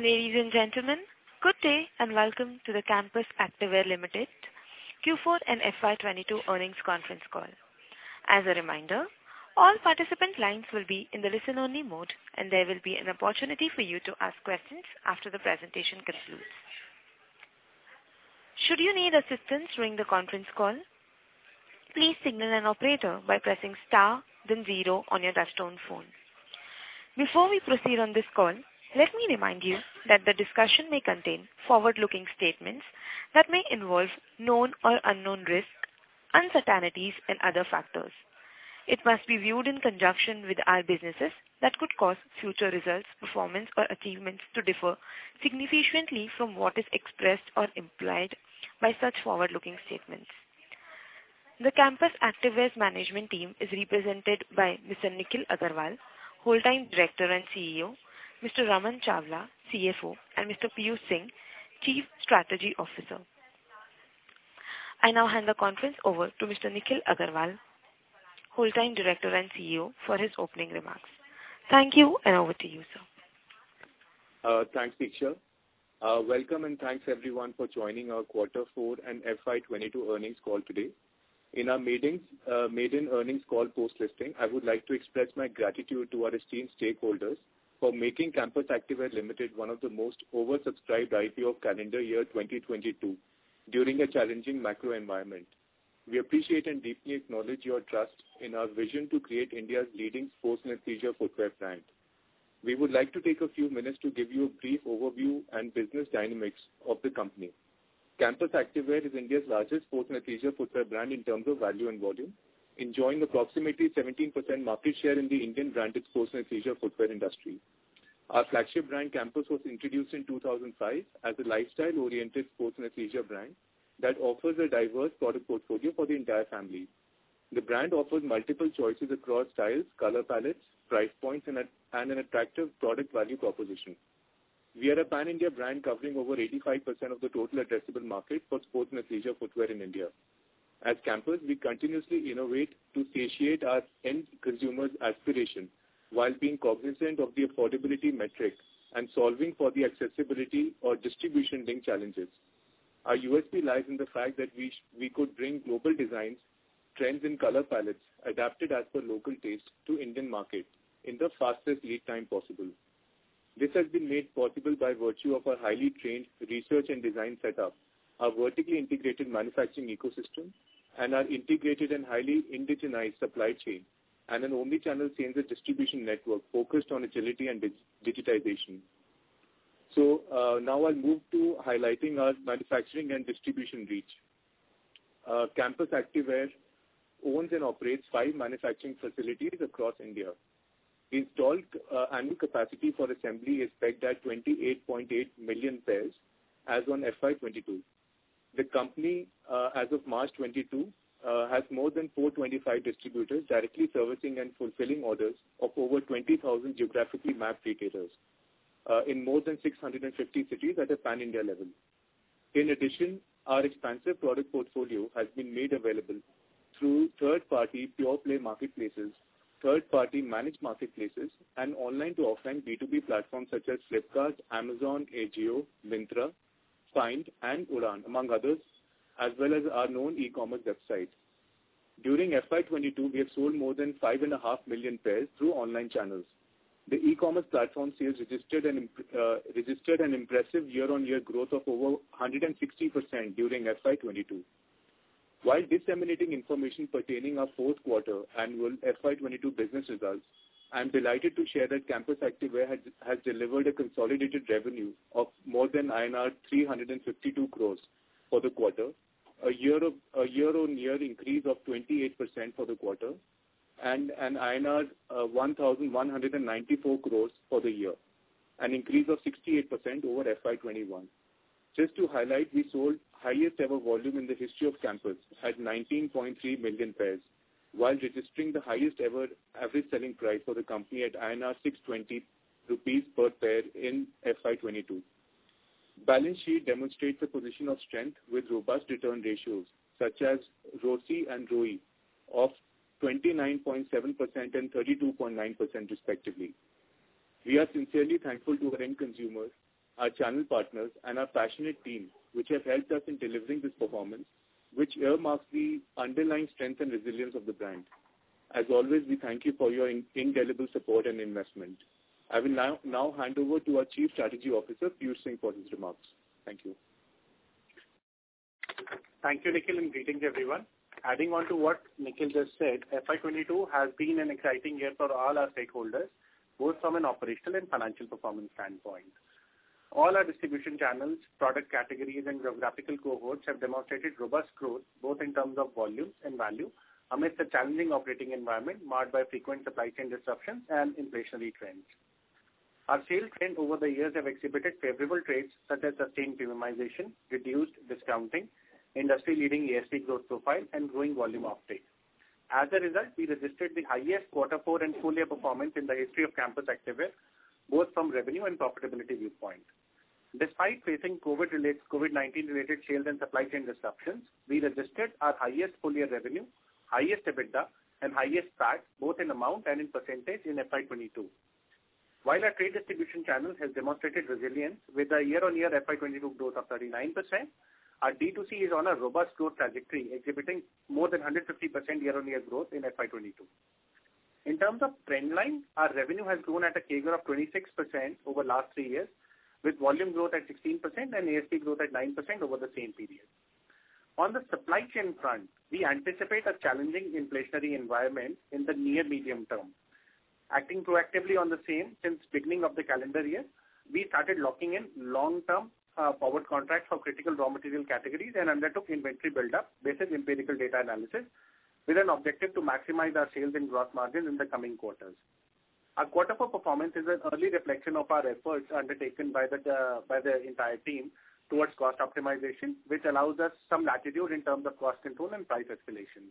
Ladies and gentlemen, good day and welcome to the Campus Activewear Limited Q4 and FY 2022 Earnings Conference Call. As a reminder, all participant lines will be in the listen-only mode, and there will be an opportunity for you to ask questions after the presentation concludes. Should you need assistance during the conference call, please signal an operator by pressing star, then zero on your touch-tone phone. Before we proceed on this call, let me remind you that the discussion may contain forward-looking statements that may involve known or unknown risk, uncertainties, and other factors. It must be viewed in conjunction with our businesses that could cause future results, performance, or achievements to differ significantly from what is expressed or implied by such forward-looking statements. The Campus Activewear's management team is represented by Mr. Nikhil Aggarwal, Whole Time Director and CEO; Mr. Raman Chawla, CFO; and Mr. Piyush Singh, Chief Strategy Officer. I now hand the conference over to Mr. Nikhil Aggarwal, Whole Time Director and CEO, for his opening remarks. Thank you, and over to you, sir. Thanks, Nikhil. Welcome, and thanks everyone for joining our quarter four and FY 2022 earnings call today. In our maiden earnings call post-listing, I would like to express my gratitude to our esteemed stakeholders for making Campus Activewear Limited one of the most oversubscribed IPO of calendar year 2022 during a challenging macro environment. We appreciate and deeply acknowledge your trust in our vision to create India's leading sports athleisure footwear brand. We would like to take a few minutes to give you a brief overview and business dynamics of the company. Campus Activewear is India's largest sports athleisure footwear brand in terms of value and volume, enjoying approximately 17% market share in the Indian-branded sports athleisure footwear industry. Our flagship brand, Campus, was introduced in 2005 as a lifestyle-oriented sports athleisure brand that offers a diverse product portfolio for the entire family. The brand offers multiple choices across styles, color palettes, price points, and an attractive product value proposition. We are a pan-India brand covering over 85% of the total addressable market for sports athleisure footwear in India. As Campus, we continuously innovate to satiate our end consumers' aspirations while being cognizant of the affordability metrics and solving for the accessibility or distribution link challenges. Our USP lies in the fact that we could bring global designs, trends, and color palettes adapted as per local taste to the Indian market in the fastest lead time possible. This has been made possible by virtue of our highly trained research and design setup, our vertically integrated manufacturing ecosystem, and our integrated and highly indigenized supply chain, and an omnichannel chain of distribution network focused on agility and digitization, so now I'll move to highlighting our manufacturing and distribution reach. Campus Activewear owns and operates five manufacturing facilities across India. Installed annual capacity for assembly is pegged at 28.8 million pairs as on FY 2022. The company, as of March 2022, has more than 425 distributors directly servicing and fulfilling orders of over 20,000 geographically mapped retailers in more than 650 cities at a pan-India level. In addition, our expansive product portfolio has been made available through third-party pure-play marketplaces, third-party managed marketplaces, and online-to-offline B2B platforms such as Flipkart, Amazon, Ajio, Myntra, Fynd, and Udaan, among others, as well as our own e-commerce website. During FY 2022, we have sold more than 5.5 million pairs through online channels. The e-commerce platform sees registered and impressive year-on-year growth of over 160% during FY 2022. While disseminating information pertaining to our fourth quarter annual FY 2022 business results, I'm delighted to share that Campus Activewear has delivered a consolidated revenue of more than INR 352 crores for the quarter, a year-on-year increase of 28% for the quarter, and an INR 1,194 crores for the year, an increase of 68% over FY 2021. Just to highlight, we sold highest-ever volume in the history of Campus at 19.3 million pairs, while registering the highest-ever average selling price for the company at 620 rupees per pair in FY 2022. Balance sheet demonstrates a position of strength with robust return ratios such as ROCE and ROE of 29.7% and 32.9%, respectively. We are sincerely thankful to our end consumers, our channel partners, and our passionate team, which have helped us in delivering this performance, which earmarks the underlying strength and resilience of the brand. As always, we thank you for your indelible support and investment. I will now hand over to our Chief Strategy Officer, Piyush Singh, for his remarks. Thank you. Thank you, Nikhil, and greetings everyone. Adding on to what Nikhil just said, FY 2022 has been an exciting year for all our stakeholders, both from an operational and financial performance standpoint. All our distribution channels, product categories, and geographical cohorts have demonstrated robust growth both in terms of volume and value amidst a challenging operating environment marked by frequent supply chain disruptions and inflationary trends. Our sales trends over the years have exhibited favorable traits such as sustained premiumization, reduced discounting, industry-leading ASP growth profile, and growing volume uptake. As a result, we registered the highest quarter four and full-year performance in the history of Campus Activewear, both from revenue and profitability viewpoint. Despite facing COVID-related, COVID-19-related sales and supply chain disruptions, we registered our highest full-year revenue, highest EBITDA, and highest PAT, both in amount and in percentage, in FY 2022. While our trade distribution channel has demonstrated resilience with a year-on-year FY 2022 growth of 39%, our D2C is on a robust growth trajectory, exhibiting more than 150% year-on-year growth in FY 2022. In terms of trend line, our revenue has grown at a CAGR of 26% over the last three years, with volume growth at 16% and ASP growth at 9% over the same period. On the supply chain front, we anticipate a challenging inflationary environment in the near-medium term. Acting proactively on the same since the beginning of the calendar year, we started locking in long-term forward contracts for critical raw material categories and undertook inventory build-up based on empirical data analysis with an objective to maximize our sales and gross margins in the coming quarters. Our quarter-over-performance is an early reflection of our efforts undertaken by the entire team towards cost optimization, which allows us some latitude in terms of cost control and price escalations.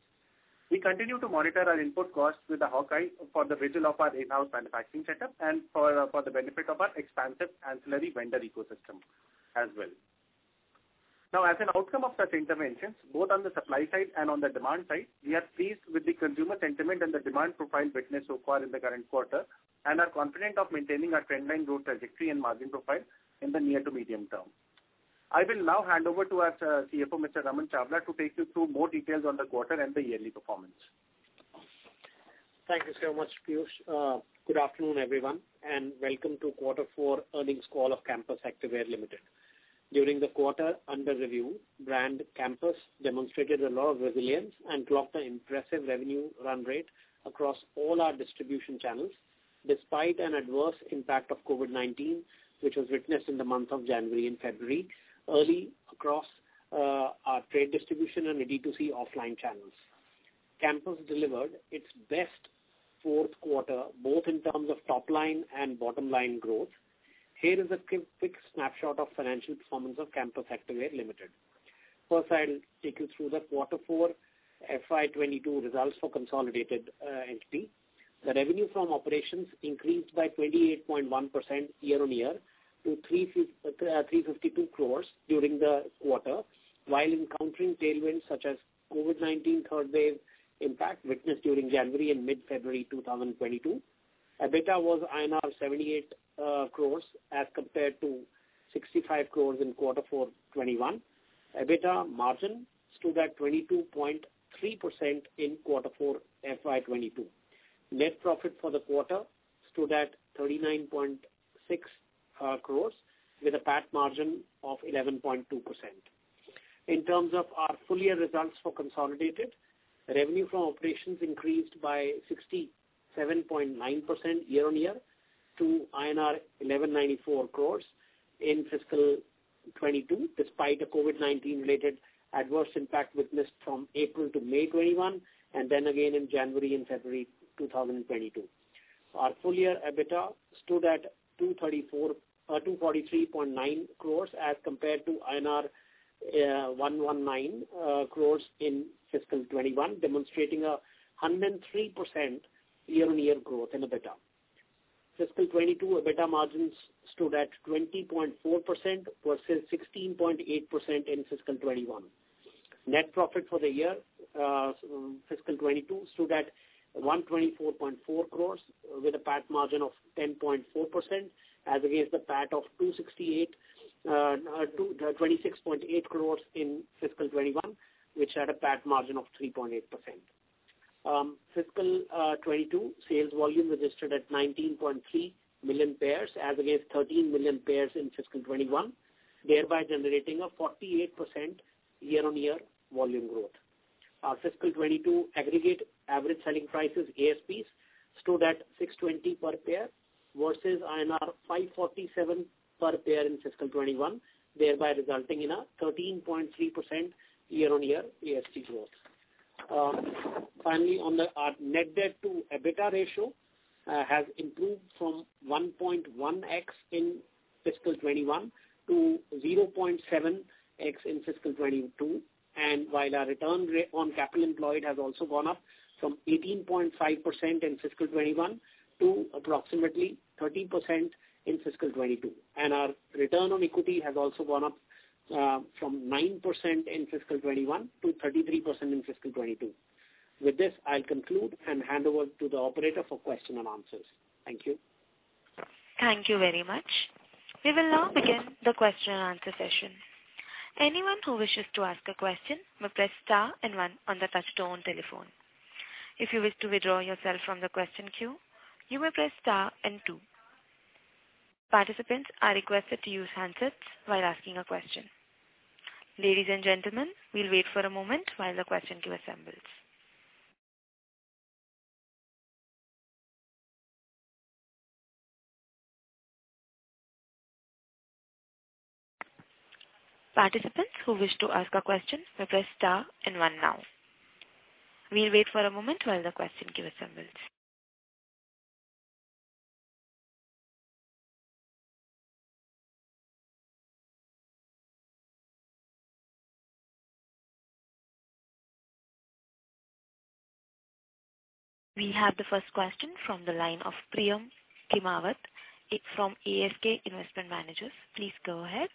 We continue to monitor our input costs with a hawk eye for the viability of our in-house manufacturing setup and for the benefit of our expansive ancillary vendor ecosystem as well. Now, as an outcome of such interventions, both on the supply side and on the demand side, we are pleased with the consumer sentiment and the demand profile witnessed so far in the current quarter and are confident of maintaining our trend line growth trajectory and margin profile in the near to medium term. I will now hand over to our CFO, Mr. Raman Chawla, to take you through more details on the quarter and the yearly performance. Thank you so much, Piyush. Good afternoon, everyone, and welcome to quarter four earnings call of Campus Activewear Limited. During the quarter under review, brand Campus demonstrated a lot of resilience and clocked an impressive revenue run rate across all our distribution channels despite an adverse impact of COVID-19, which was witnessed in the month of January and February, early across our trade distribution and the D2C offline channels. Campus delivered its best fourth quarter, both in terms of top-line and bottom-line growth. Here is a quick snapshot of financial performance of Campus Activewear Limited. First, I'll take you through the quarter four FY 2022 results for consolidated entity. The revenue from operations increased by 28.1% year-on-year to 352 crores during the quarter, while encountering tailwinds such as COVID-19 third-wave impact witnessed during January and mid-February 2022. EBITDA was INR 78 crores as compared to 65 crores in quarter four 2021. EBITDA margin stood at 22.3% in quarter four FY 2022. Net profit for the quarter stood at 39.6 crores with a PAT margin of 11.2%. In terms of our full-year results for consolidated, revenue from operations increased by 67.9% year-on-year to INR 1194 crores in fiscal 2022 despite a COVID-19-related adverse impact witnessed from April to May 2021 and then again in January and February 2022. Our full-year EBITDA stood at 243.9 crores as compared to INR 119 crores in fiscal 2021, demonstrating a 103% year-on-year growth in EBITDA. Fiscal 2022 EBITDA margins stood at 20.4% versus 16.8% in fiscal 2021. Net profit for the year fiscal 2022 stood at 124.4 crores with a PAT margin of 10.4% as against the PAT of 26.8 crores in fiscal 2021, which had a PAT margin of 3.8%. Fiscal 2022 sales volume registered at 19.3 million pairs as against 13 million pairs in fiscal 2021, thereby generating a 48% year-on-year volume growth. Our fiscal 2022 aggregate average selling prices, ASPs, stood at 620 per pair versus INR 547 per pair in fiscal 2021, thereby resulting in a 13.3% year-on-year ASP growth. Finally, our net debt to EBITDA ratio has improved from 1.1x in fiscal 2021 to 0.7x in fiscal 2022, and while our return on capital employed has also gone up from 18.5% in fiscal 2021 to approximately 30% in fiscal 2022, and our return on equity has also gone up from 9% in fiscal 2021 to 33% in fiscal 2022. With this, I'll conclude and hand over to the operator for questions and answers. Thank you. Thank you very much. We will now begin the question and answer session. Anyone who wishes to ask a question may press star and one on the touch-tone telephone. If you wish to withdraw yourself from the question queue, you may press star and two. Participants are requested to use handsets while asking a question. Ladies and gentlemen, we'll wait for a moment while the question queue assembles. Participants who wish to ask a question may press star and one now. We'll wait for a moment while the question queue assembles. We have the first question from the line of Priyam Khimawat from ASK Investment Managers. Please go ahead.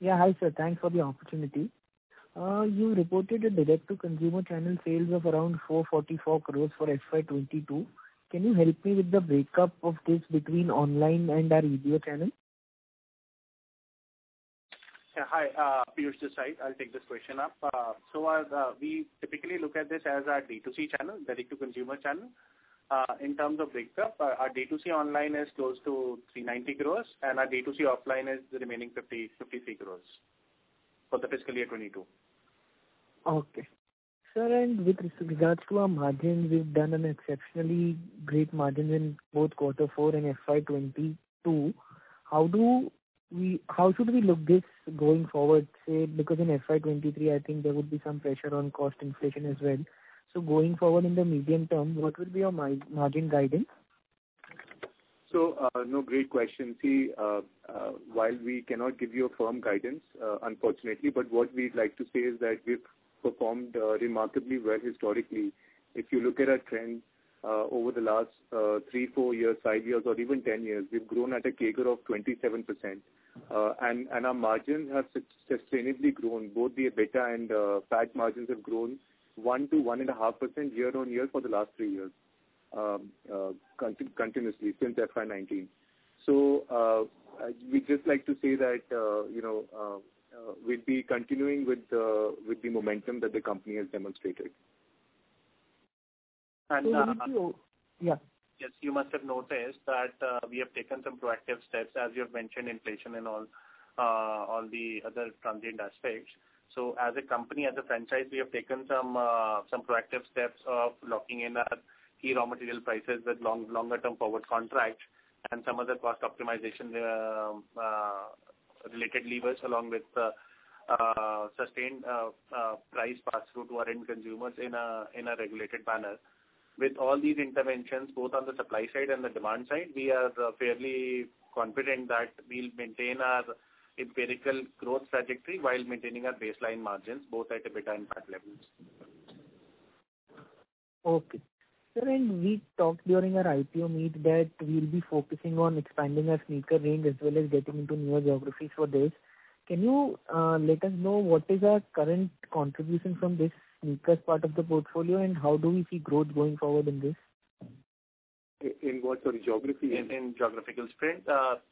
Yeah, hi sir. Thanks for the opportunity. You reported a direct-to-consumer channel sales of around 444 crores for FY 2022. Can you help me with the breakup of this between online and offline channel? Yeah, hi. Piyush Singh, I'll take this question up. So while we typically look at this as our D2C channel, direct-to-consumer channel, in terms of breakup, our D2C online is close to 390 crores, and our D2C offline is the remaining 53 crores for the fiscal year 2022. Okay. Sir, and with regards to our margins, we've done an exceptionally great margin in both quarter four and FY 2022. How should we look at this going forward? Because in FY 2023, I think there would be some pressure on cost inflation as well. So going forward in the medium term, what will be your margin guidance? So no, great question. See, while we cannot give you a firm guidance, unfortunately, but what we'd like to say is that we've performed remarkably well historically. If you look at our trend over the last three, four years, five years, or even ten years, we've grown at a CAGR of 27%. And our margins have sustainably grown. Both the EBITDA and PAT margins have grown 1%-1.5% year-on-year for the last three years continuously since FY 2019. So we'd just like to say that we'll be continuing with the momentum that the company has demonstrated. And. Piyush, you? Yes, you must have noticed that we have taken some proactive steps, as you have mentioned, inflation and all the other transient aspects, so as a company, as a franchise, we have taken some proactive steps of locking in our key raw material prices with longer-term forward contracts and some of the cost optimization related levers along with sustained price pass-through to our end consumers in a regulated manner. With all these interventions, both on the supply side and the demand side, we are fairly confident that we'll maintain our empirical growth trajectory while maintaining our baseline margins, both at EBITDA and PAT levels. Okay. Sir, and we talked during our IPO meet that we'll be focusing on expanding our sneaker range as well as getting into newer geographies for this. Can you let us know what is our current contribution from this sneakers part of the portfolio, and how do we see growth going forward in this? In what? Sorry, geographies? In geographical space.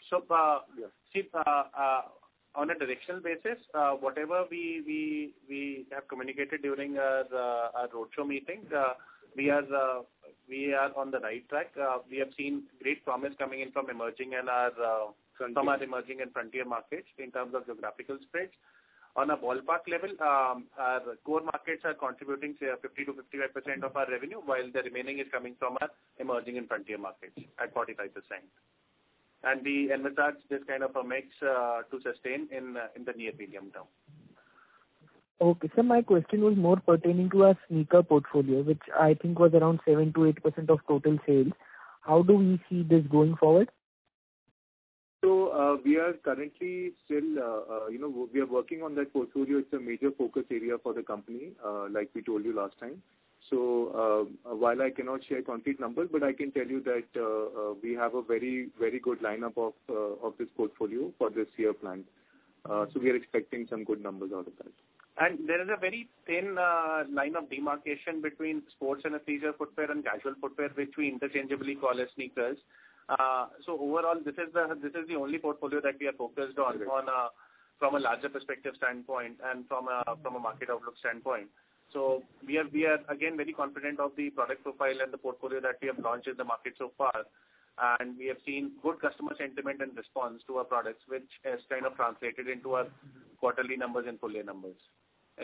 So on a directional basis, whatever we have communicated during our roadshow meeting, we are on the right track. We have seen great promise coming in from our emerging and frontier markets in terms of geographical space. On a ballpark level, our core markets are contributing 50%-55% of our revenue, while the remaining is coming from our emerging and frontier markets at 45%. And we envisage this kind of a mix to sustain in the near-medium term. My question was more pertaining to our sneaker portfolio, which I think was around 7%-8% of total sales. How do we see this going forward? So we are currently still working on that portfolio. It's a major focus area for the company, like we told you last time. So while I cannot share concrete numbers, but I can tell you that we have a very, very good lineup of this portfolio for this year planned. So we are expecting some good numbers out of that. There is a very thin line of demarcation between sports and athleisure footwear and casual footwear, which we interchangeably call as sneakers. Overall, this is the only portfolio that we are focused on from a larger perspective standpoint and from a market outlook standpoint. We are, again, very confident of the product profile and the portfolio that we have launched in the market so far. We have seen good customer sentiment and response to our products, which has kind of translated into our quarterly numbers and full-year numbers.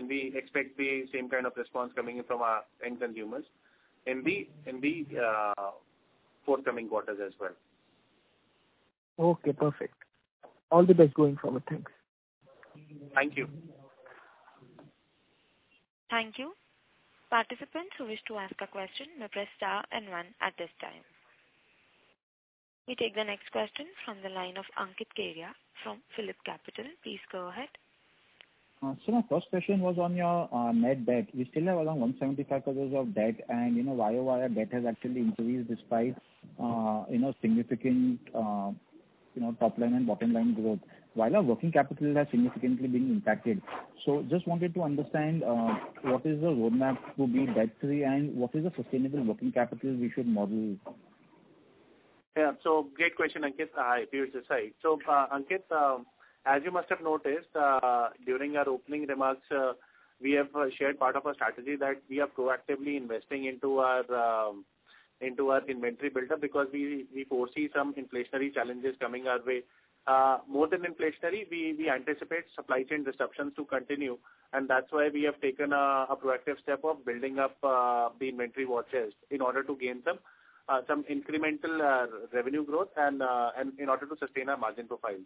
We expect the same kind of response coming in from our end consumers in the forthcoming quarters as well. Okay. Perfect. All the best going forward. Thanks. Thank you. Thank you. Participants who wish to ask a question may press star and one at this time. We take the next question from the line of Ankit Kedia from Phillip Capital. Please go ahead. Sir, my first question was on your net debt. We still have around 175 crores of debt, and while our debt has actually increased despite significant top-line and bottom-line growth, while our working capital has significantly been impacted. So I just wanted to understand what is the roadmap to be debt-free and what is the sustainable working capital we should model? Yeah. So great question, Ankit. So Ankit, as you must have noticed, during our opening remarks, we have shared part of our strategy that we are proactively investing into our inventory buildup because we foresee some inflationary challenges coming our way. More than inflationary, we anticipate supply chain disruptions to continue. And that's why we have taken a proactive step of building up the inventory, which in order to gain some incremental revenue growth and in order to sustain our margin profile.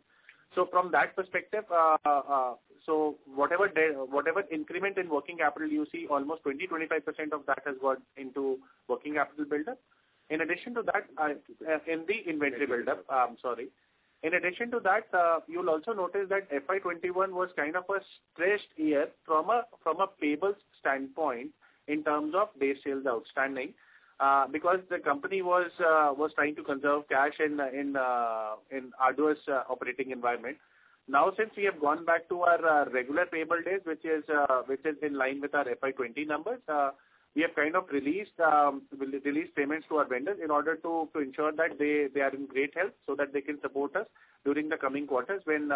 So from that perspective, so whatever increment in working capital you see, almost 20%-25% of that has gone into working capital buildup. In addition to that, in the inventory buildup, I'm sorry. In addition to that, you'll also notice that FY 2021 was kind of a stretched year from a payables standpoint in terms of days sales outstanding because the company was trying to conserve cash in adverse operating environment. Now, since we have gone back to our regular payable days, which is in line with our FY 2020 numbers, we have kind of released payments to our vendors in order to ensure that they are in great health so that they can support us during the coming quarters when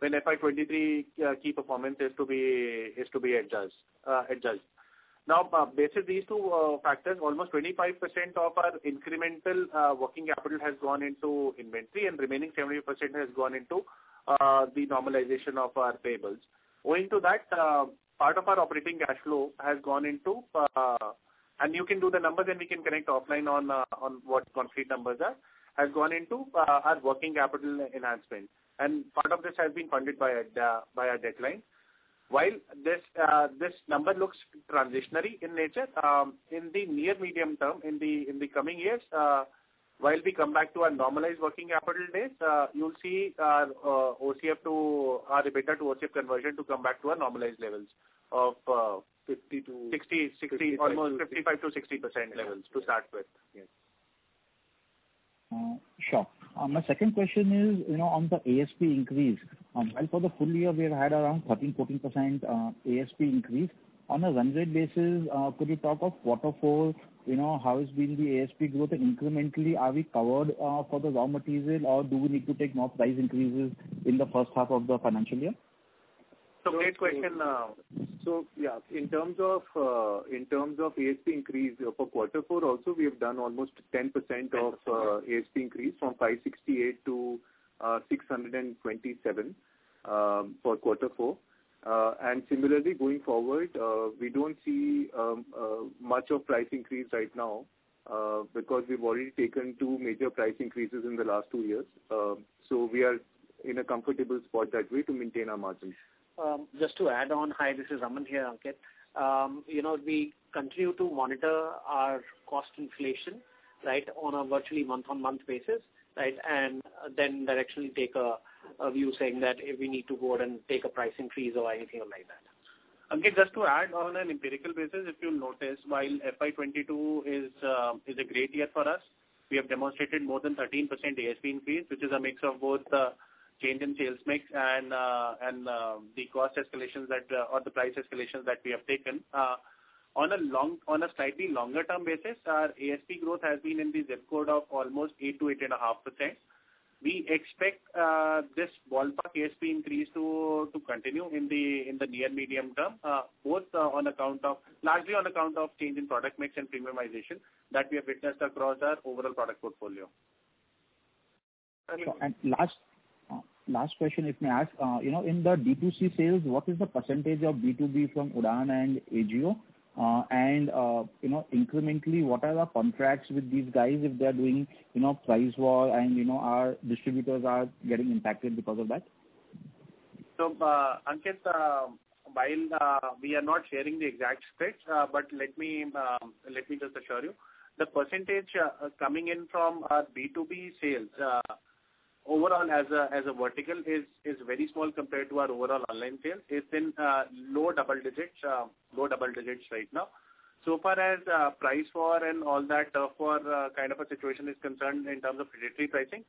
FY 2023 key performance is to be adjusted. Now, based on these two factors, almost 25% of our incremental working capital has gone into inventory and remaining 70% has gone into the normalization of our payables. Owing to that, part of our operating cash flow has gone into, and you can do the numbers and we can connect offline on what concrete numbers are, has gone into our working capital enhancement. And part of this has been funded by our drawdown. While this number looks transitory in nature, in the near-medium term, in the coming years, while we come back to our normalized working capital days, you'll see our OCF to our EBITDA to OCF conversion to come back to our normalized levels of 50%-60%, almost 55%-60% levels to start with. Sure. My second question is on the ASP increase. For the full year, we have had around 13%-14% ASP increase. On a runway basis, could you talk of quarter four, how has been the ASP growth? And incrementally, are we covered for the raw material, or do we need to take more price increases in the first half of the financial year? Great question. Yeah, in terms of ASP increase for quarter four, also, we have done almost 10% of ASP increase from 568 to 627 for quarter four. And similarly, going forward, we don't see much of price increase right now because we've already taken two major price increases in the last two years. So we are in a comfortable spot that way to maintain our margins. Just to add on, hi, this is Raman here, Ankit. We continue to monitor our cost inflation, right, on a virtually month-on-month basis, right, and then directionally take a view saying that we need to go ahead and take a price increase or anything like that. Ankit, just to add on an empirical basis, if you'll notice, while FY 2022 is a great year for us, we have demonstrated more than 13% ASP increase, which is a mix of both change in sales mix and the cost escalations or the price escalations that we have taken. On a slightly longer-term basis, our ASP growth has been in the zip code of almost 8%-8.5%. We expect this ballpark ASP increase to continue in the near-medium term, both on account of largely on account of change in product mix and premiumization that we have witnessed across our overall product portfolio. Last question, if I may ask, in the D2C sales, what is the percentage of B2B from Udaan and Ajio? And incrementally, what are the contracts with these guys if they are doing price war and our distributors are getting impacted because of that? So, Ankit, while we are not sharing the exact spreads, but let me just assure you, the percentage coming in from our B2B sales overall as a vertical is very small compared to our overall online sales. It's in low double digits, low double digits right now. So far as price war and all that for kind of a situation is concerned in terms of territory pricing,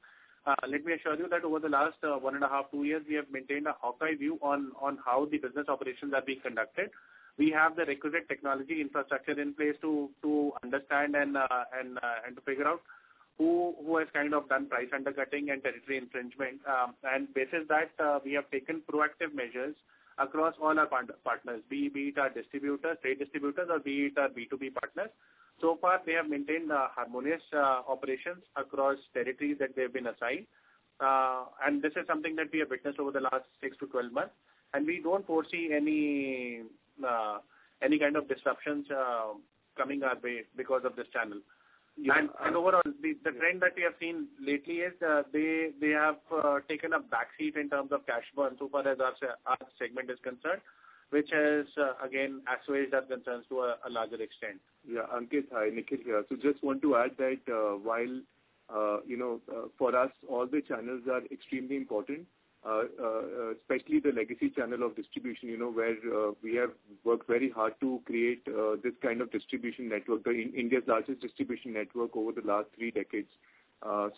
let me assure you that over the last one and a half, two years, we have maintained a hawk-eye view on how the business operations are being conducted. We have the requisite technology infrastructure in place to understand and to figure out who has kind of done price undercutting and territory infringement. And based on that, we have taken proactive measures across all our partners, be it our distributors, trade distributors, or be it our B2B partners. So far, they have maintained harmonious operations across territories that they have been assigned, and this is something that we have witnessed over the last six to 12 months, and we don't foresee any kind of disruptions coming our way because of this channel. And overall, the trend that we have seen lately is they have taken a backseat in terms of cash burn so far as our segment is concerned, which has, again, assuaged our concerns to a larger extent. Yeah. Ankit, hi, Nikhil here. So just want to add that while for us, all the channels are extremely important, especially the legacy channel of distribution, where we have worked very hard to create this kind of distribution network, India's largest distribution network over the last three decades.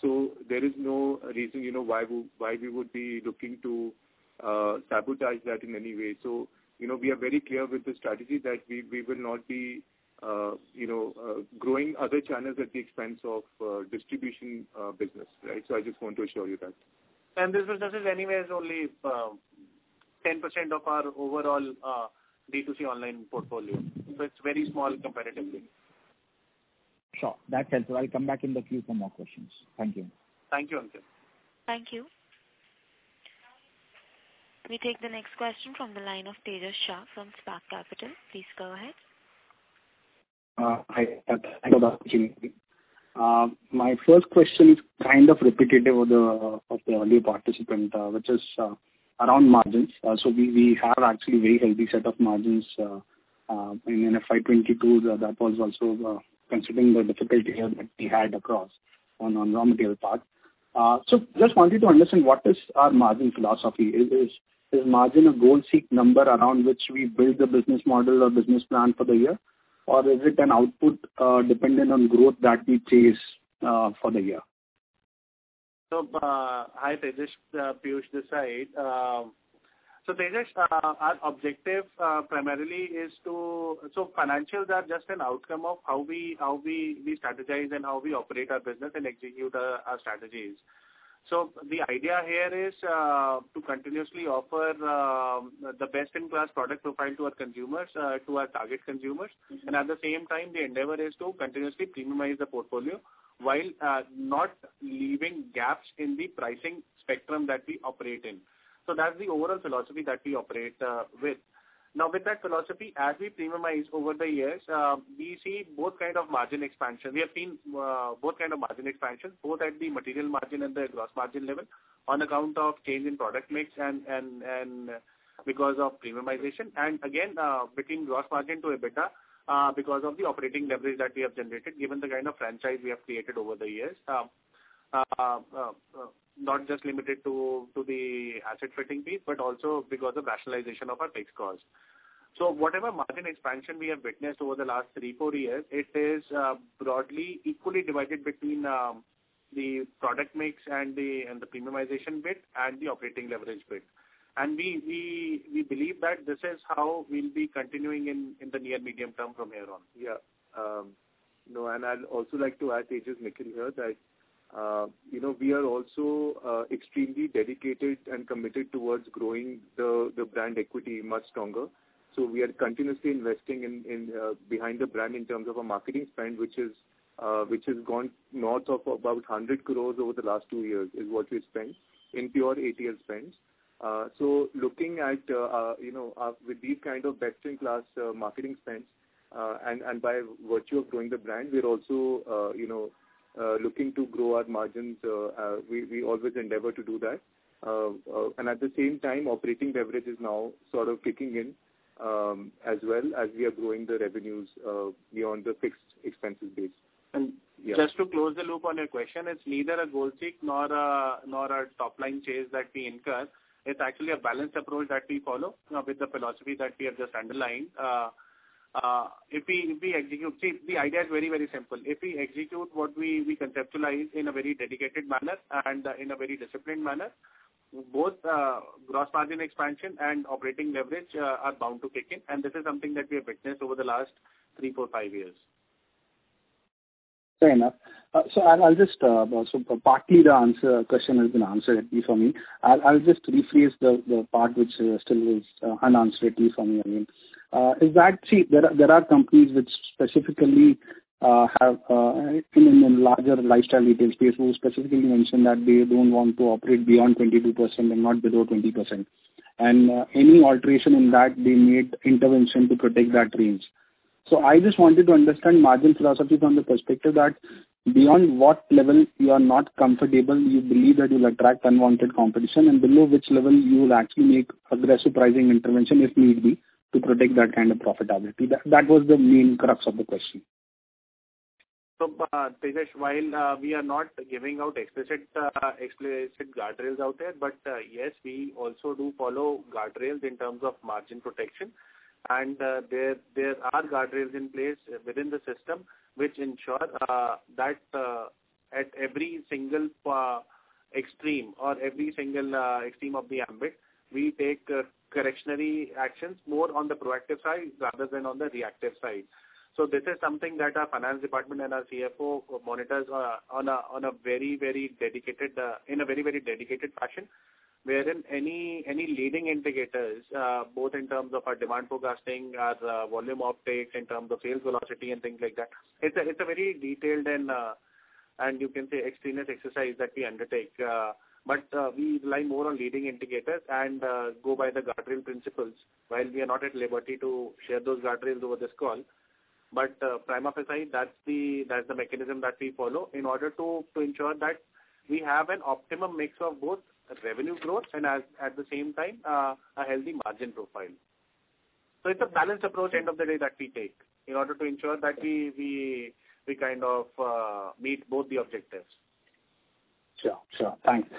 So there is no reason why we would be looking to sabotage that in any way. So we are very clear with the strategy that we will not be growing other channels at the expense of distribution business, right? So I just want to assure you that. And this business is anyways only 10% of our overall D2C online portfolio. So it's very small comparatively. Sure. That helps. I'll come back in the queue for more questions. Thank you. Thank you, Ankit. Thank you. We take the next question from the line of Tejas Shah from Spark Capital. Please go ahead. Hi. Thanks for the opportunity. My first question is kind of repetitive of the earlier participant, which is around margins. So we have actually a very healthy set of margins in FY 2022. That was also considering the difficulty here that we had across on raw material part. So just wanted to understand what is our margin philosophy. Is margin a goal-seeked number around which we build the business model or business plan for the year, or is it an output dependent on growth that we chase for the year? So hi, Tejas Piyush this side. So Tejas, our objective primarily is to so financials are just an outcome of how we strategize and how we operate our business and execute our strategies. So the idea here is to continuously offer the best-in-class product profile to our consumers, to our target consumers. And at the same time, the endeavor is to continuously premiumize the portfolio while not leaving gaps in the pricing spectrum that we operate in. So that's the overall philosophy that we operate with. Now, with that philosophy, as we premiumize over the years, we see both kind of margin expansion. We have seen both kind of margin expansion, both at the material margin and the gross margin level on account of change in product mix and because of premiumization. Again, between gross margin to EBITDA because of the operating leverage that we have generated, given the kind of franchise we have created over the years, not just limited to the asset-light piece, but also because of rationalization of our fixed costs. So whatever margin expansion we have witnessed over the last three, four years, it is broadly equally divided between the product mix and the premiumization bit and the operating leverage bit. We believe that this is how we'll be continuing in the near-medium term from here on. Yeah. No, and I'd also like to add, Tejas, Nikhil here, that we are also extremely dedicated and committed towards growing the brand equity much stronger. So we are continuously investing behind the brand in terms of our marketing spend, which has gone north of about 100 crores over the last two years. That is what we've spent in pure ATL spends. So looking at with these kind of best-in-class marketing spends and by virtue of growing the brand, we're also looking to grow our margins. We always endeavor to do that. And at the same time, operating leverage is now sort of kicking in as well as we are growing the revenues beyond the fixed expenses base. And just to close the loop on your question, it's neither a goal-seeked nor a top-line chase that we incur. It's actually a balanced approach that we follow with the philosophy that we have just underlined. If we execute, see, the idea is very, very simple. If we execute what we conceptualize in a very dedicated manner and in a very disciplined manner, both gross margin expansion and operating leverage are bound to kick in, and this is something that we have witnessed over the last three, four, five years. Fair enough. So I'll just partly answer the question has been answered at least for me. I'll just rephrase the part which still was unanswered at least for me again. Is that, see, there are companies which specifically have in a larger lifestyle retail space who specifically mentioned that they don't want to operate beyond 22% and not below 20%. And any alteration in that, they need intervention to protect that range. So I just wanted to understand margin philosophy from the perspective that beyond what level you are not comfortable, you believe that you'll attract unwanted competition, and below which level you will actually make aggressive pricing intervention if need be to protect that kind of profitability. That was the main crux of the question. Tejas, while we are not giving out explicit guardrails out there, but yes, we also do follow guardrails in terms of margin protection. And there are guardrails in place within the system which ensure that at every single extreme or every single extreme of the ambit, we take corrective actions more on the proactive side rather than on the reactive side. This is something that our finance department and our CFO monitors on a very, very dedicated, in a very, very dedicated fashion, wherein any leading indicators, both in terms of our demand forecasting, our volume uptakes, in terms of sales velocity and things like that, it's a very detailed and, you can say, exhaustive exercise that we undertake. But we rely more on leading indicators and go by the guardrail principles while we are not at liberty to share those guardrails over this call. But Prime Office, that's the mechanism that we follow in order to ensure that we have an optimum mix of both revenue growth and at the same time, a healthy margin profile. So it's a balanced approach end of the day that we take in order to ensure that we kind of meet both the objectives. Sure. Sure. Thanks.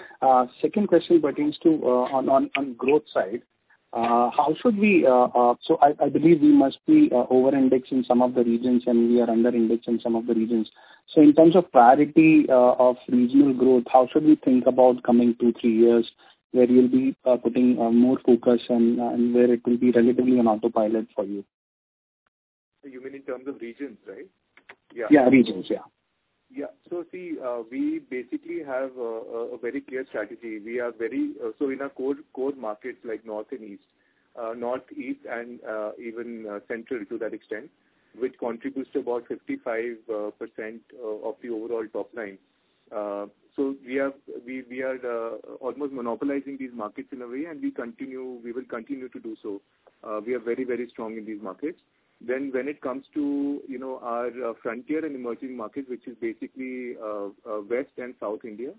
Second question pertains to on growth side, how should we, so I believe, we must be over-indexed in some of the regions and we are under-indexed in some of the regions. So in terms of clarity of regional growth, how should we think about coming two, three years where you'll be putting more focus and where it will be relatively on autopilot for you? You mean in terms of regions, right? Yeah. Yeah, regions, yeah. Yeah, so see, we basically have a very clear strategy. We are very so in our core markets like North and East, Northeast, and even Central to that extent, which contributes to about 55% of the overall top line. We are almost monopolizing these markets in a way, and we will continue to do so. We are very, very strong in these markets, then when it comes to our frontier and emerging markets, which is basically West and South India,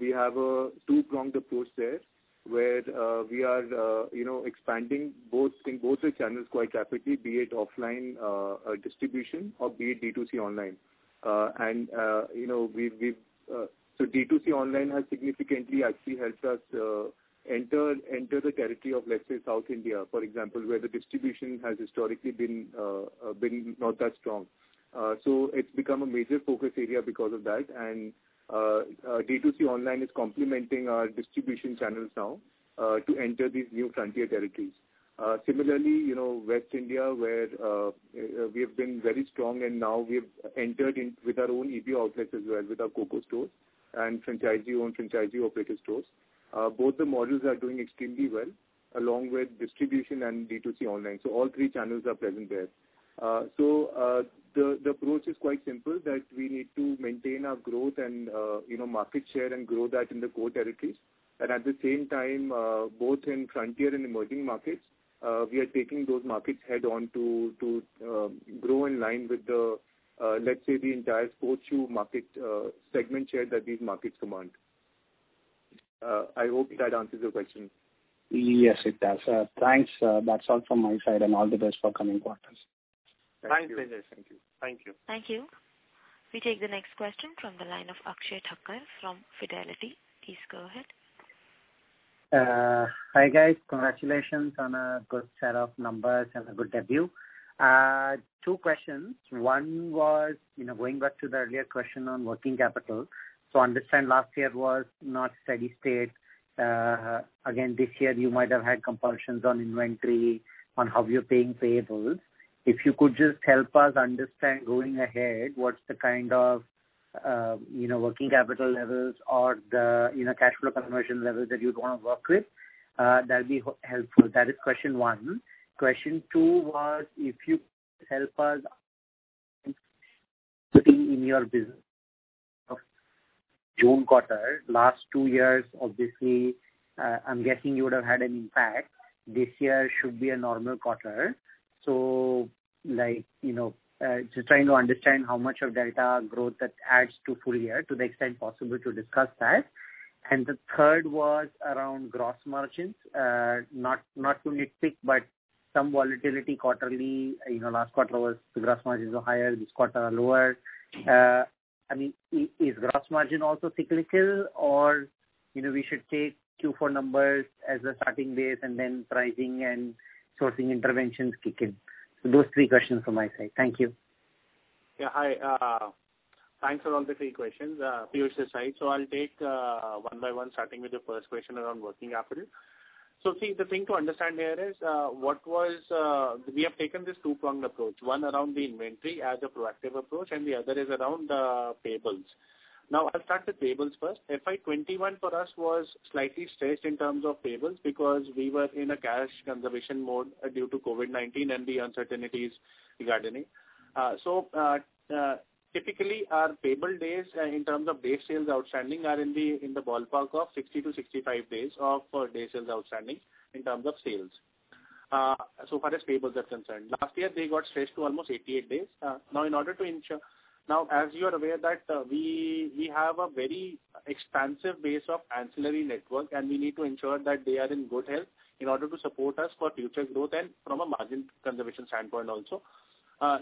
we have a two-pronged approach there where we are expanding both in both the channels quite rapidly, be it offline distribution or be it D2C online. D2C online has significantly actually helped us enter the territory of, let's say, South India, for example, where the distribution has historically been not that strong. It's become a major focus area because of that. And D2C online is complementing our distribution channels now to enter these new frontier territories. Similarly, West India, where we have been very strong, and now we have entered with our own EBO outlets as well, with our COCO stores and franchisee-owned franchisee-operated stores. Both the models are doing extremely well along with distribution and D2C online. So all three channels are present there. So the approach is quite simple that we need to maintain our growth and market share and grow that in the core territories. And at the same time, both in frontier and emerging markets, we are taking those markets head-on to grow in line with the, let's say, the entire sports shoe market segment share that these markets command. I hope that answers your question. Yes, it does. Thanks. That's all from my side and all the best for coming quarters. Thanks, Tejas. Thank you. Thank you. Thank you. We take the next question from the line of Akshen Thakkar from Fidelity. Please go ahead. Hi guys. Congratulations on a good set of numbers and a good debut. Two questions. One was going back to the earlier question on working capital. So I understand last year was not steady state. Again, this year you might have had compulsions on inventory, on how you're paying payables. If you could just help us understand going ahead, what's the kind of working capital levels or the cash flow conversion level that you'd want to work with, that'd be helpful. That is question one. Question two was if you could help us in your business. June quarter, last two years, obviously, I'm guessing you would have had an impact. This year should be a normal quarter. So just trying to understand how much of delta growth that adds to full year to the extent possible to discuss that. The third was around gross margins, not to nitpick, but some volatility quarterly. Last quarter was the gross margins were higher, this quarter are lower. I mean, is gross margin also cyclical, or we should take Q4 numbers as a starting base and then pricing and sourcing interventions kick in? Those three questions from my side. Thank you. Yeah. Hi. Thanks for all the three questions, Piyush Desai. So I'll take one by one, starting with the first question around working capital. So see, the thing to understand here is what was we have taken this two-pronged approach, one around the inventory as a proactive approach, and the other is around the payables. Now, I'll start with payables first. FY 2021 for us was slightly stretched in terms of payables because we were in a cash conservation mode due to COVID-19 and the uncertainties regarding it. So typically, our payable days in terms of days sales outstanding are in the ballpark of 60-65 days of days sales outstanding in terms of sales so far as payables are concerned. Last year, they got stretched to almost 88 days. Now, in order to ensure, as you are aware that we have a very expansive base of ancillary network, and we need to ensure that they are in good health in order to support us for future growth and from a margin conservation standpoint also,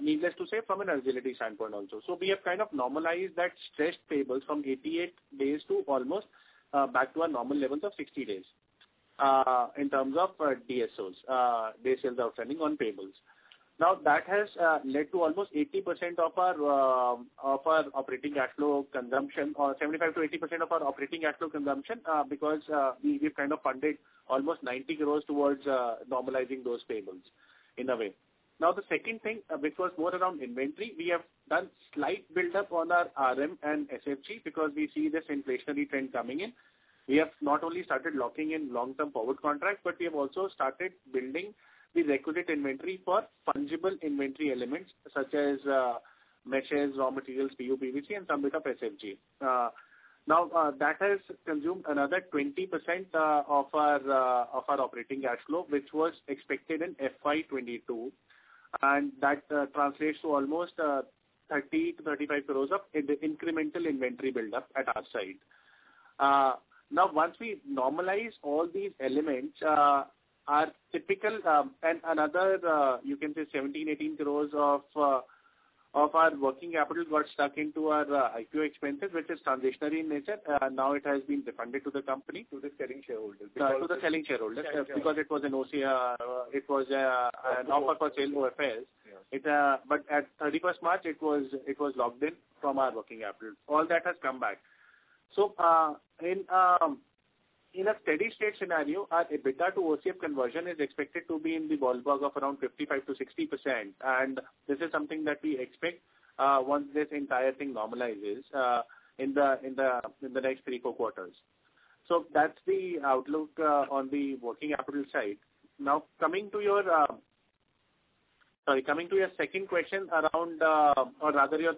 needless to say, from an agility standpoint also. So we have kind of normalized that stretched payables from 88 days to almost back to our normal levels of 60 days in terms of day sales outstanding on payables. Now, that has led to almost 80% of our operating cash flow consumption or 75%-80% of our operating cash flow consumption because we've kind of funded almost 90 crores towards normalizing those payables in a way. Now, the second thing, which was more around inventory, we have done slight buildup on our RM and SFG because we see this inflationary trend coming in. We have not only started locking in long-term forward contracts, but we have also started building the requisite inventory for fungible inventory elements such as matches, raw materials, PU, PVC, and some bit of SFG. Now, that has consumed another 20% of our operating cash flow, which was expected in FY 2022, and that translates to almost 30 crores-35 crores of incremental inventory buildup at our side. Now, once we normalize all these elements, our typical and another, you can say, 17 crores-18 crores of our working capital got stuck into our IPO expenses, which is transitory in nature. Now, it has been refunded to the company, to the selling shareholders. Selling shareholders. Because it was an OCF, it was an offer for sale to FS. But at 31st March, it was locked in from our working capital. All that has come back. So in a steady state scenario, our EBITDA to OCF conversion is expected to be in the ballpark of around 55%-60%. And this is something that we expect once this entire thing normalizes in the next three, four quarters. So that's the outlook on the working capital side. Now, coming to your sorry, coming to your second question around or rather your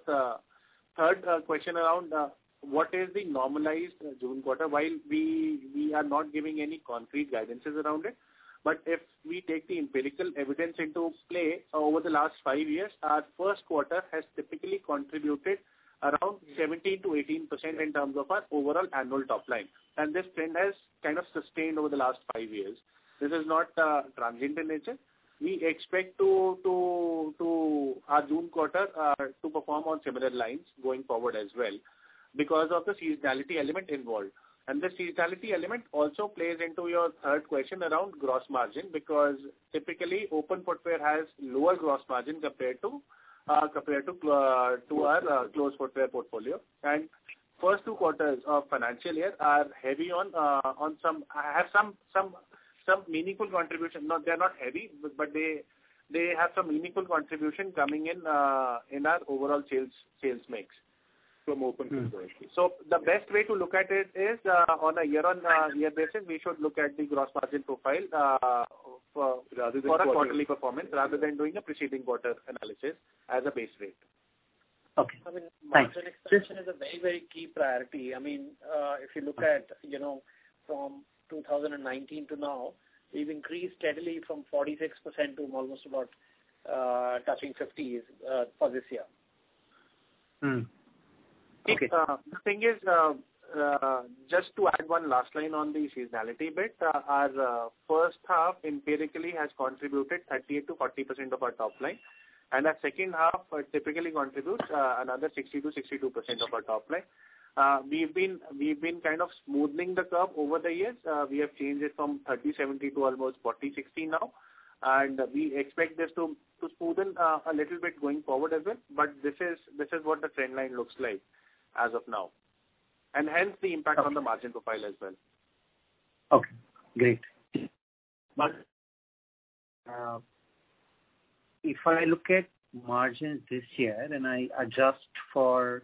third question around what is the normalized June quarter, while we are not giving any concrete guidances around it. But if we take the empirical evidence into play over the last five years, our first quarter has typically contributed around 17%-18% in terms of our overall annual top line. This trend has kind of sustained over the last five years. This is not transitory in nature. We expect our June quarter to perform on similar lines going forward as well because of the seasonality element involved. The seasonality element also plays into your third question around gross margin because typically, open portfolio has lower gross margin compared to our closed portfolio. First two quarters of financial year are heavy on open, have some meaningful contribution. No, they're not heavy, but they have some meaningful contribution coming in our overall sales mix from open portfolio. The best way to look at it is on a year-on-year basis, we should look at the gross margin profile for a quarterly performance rather than doing a preceding quarter analysis as a base rate. Okay. I mean, margin expansion is a very, very key priority. I mean, if you look at from 2019 to now, we've increased steadily from 46% to almost about touching 50% for this year. Okay. The thing is, just to add one last line on the seasonality bit, our first half empirically has contributed 38%-40% of our top line. And our second half typically contributes another 60%-62% of our top line. We've been kind of smoothing the curve over the years. We have changed it from 30-70 to almost 40-60 now. And we expect this to smoothen a little bit going forward as well. But this is what the trend line looks like as of now, and hence the impact on the margin profile as well. Okay. Great. But if I look at margins this year and I adjust for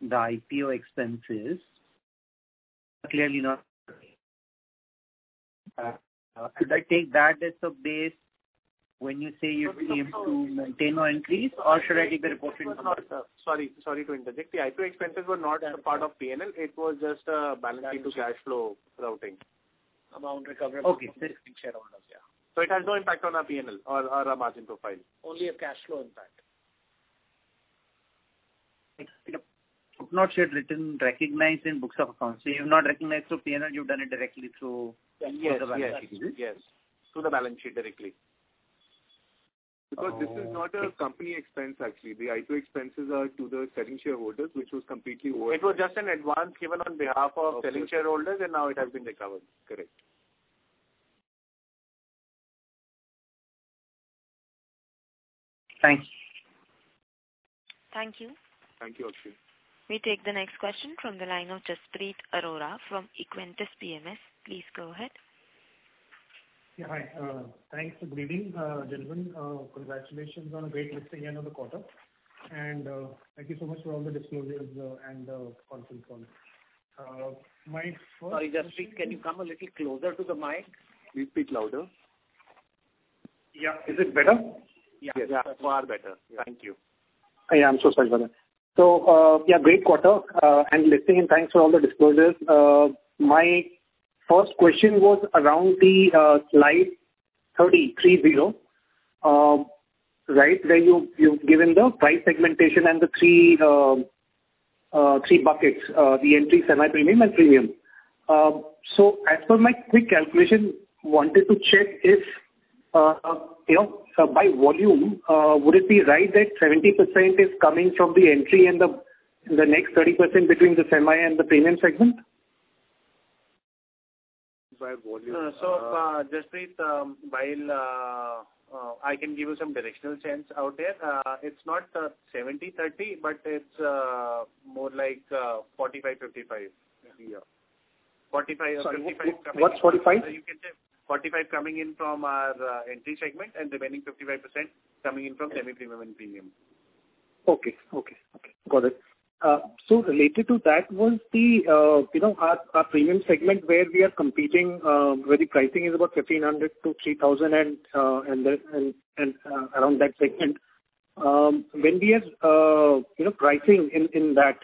the IPO expenses, clearly not. Should I take that as a base when you say you aim to maintain or increase, or should I take the reporting? Sorry to interject. The IPO expenses were not a part of P&L. It was just a balancing to cash flow routing. About recovery of shareholders. Okay. So it has no impact on our P&L or our margin profile. Only a cash flow impact. You've not yet written recognized in books of accounts. So you've not recognized through P&L, you've done it directly through the balance sheet, is it? Yes. Yes. To the balance sheet directly. Because this is not a company expense, actually. The IPO expenses are to the selling shareholders, which was completely over. It was just an advance given on behalf of selling shareholders, and now it has been recovered. Correct. Thanks. Thank you. Thank you, Akshen. We take the next question from the line of Jaspreet Arora from Equentis PMS. Please go ahead. Yeah. Hi. Thanks for greeting, gentlemen. Congratulations on a great listing end of the quarter and thank you so much for all the disclosures and consultations. My first. Sorry, Jaspreet, can you come a little closer to the mic? Be a bit louder. Yeah. Is it better? Yes. Yes. Far better. Thank you. Yeah. I'm so sorry about that. So yeah, great quarter. And listening and thanks for all the disclosures. My first question was around the slide 30, three zero, right, where you've given the price segmentation and the three buckets, the entry, semi-premium, and premium. So as per my quick calculation, wanted to check if by volume, would it be right that 70% is coming from the entry and the next 30% between the semi and the premium segment? So, Jaspreet, while I can give you some directional sense out there, it's not 70, 30, but it's more like 45, 55. Yeah. 45 or 55 coming in. What's 45? You can say 45 coming in from our entry segment and remaining 55% coming in from semi-premium and premium. Okay. Okay. Okay. Got it. So related to that was our premium segment where we are competing, where the pricing is about 1,500-3,000 and around that segment. When we are pricing in that,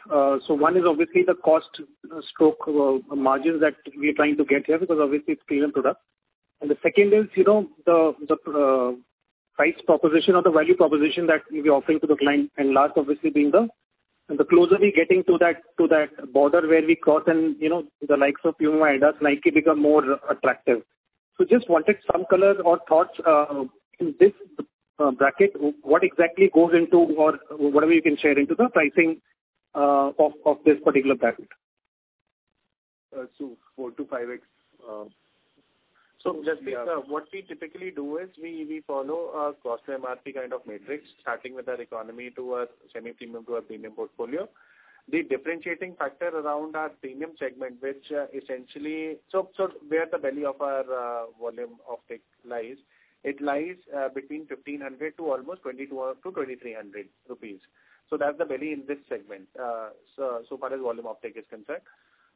so one is obviously the cost structure margins that we are trying to get here because obviously it's premium product. And the second is the price proposition or the value proposition that we're offering to the client. And last, obviously being the closer we're getting to that border where we cross and the likes of Puma and Adidas likely become more attractive. So just wanted some color or thoughts in this bracket, what exactly goes into or whatever you can share into the pricing of this particular bracket. Four to five x. Jaspreet, what we typically do is we follow a cost MRP kind of matrix, starting with our economy to our semi-premium to our premium portfolio. The differentiating factor around our premium segment, which essentially where the belly of our volume offtake lies. It lies between 1,500 to almost 2,200 rupees-INR 2,300 rupees. That's the belly in this segment so far as volume offtake is concerned.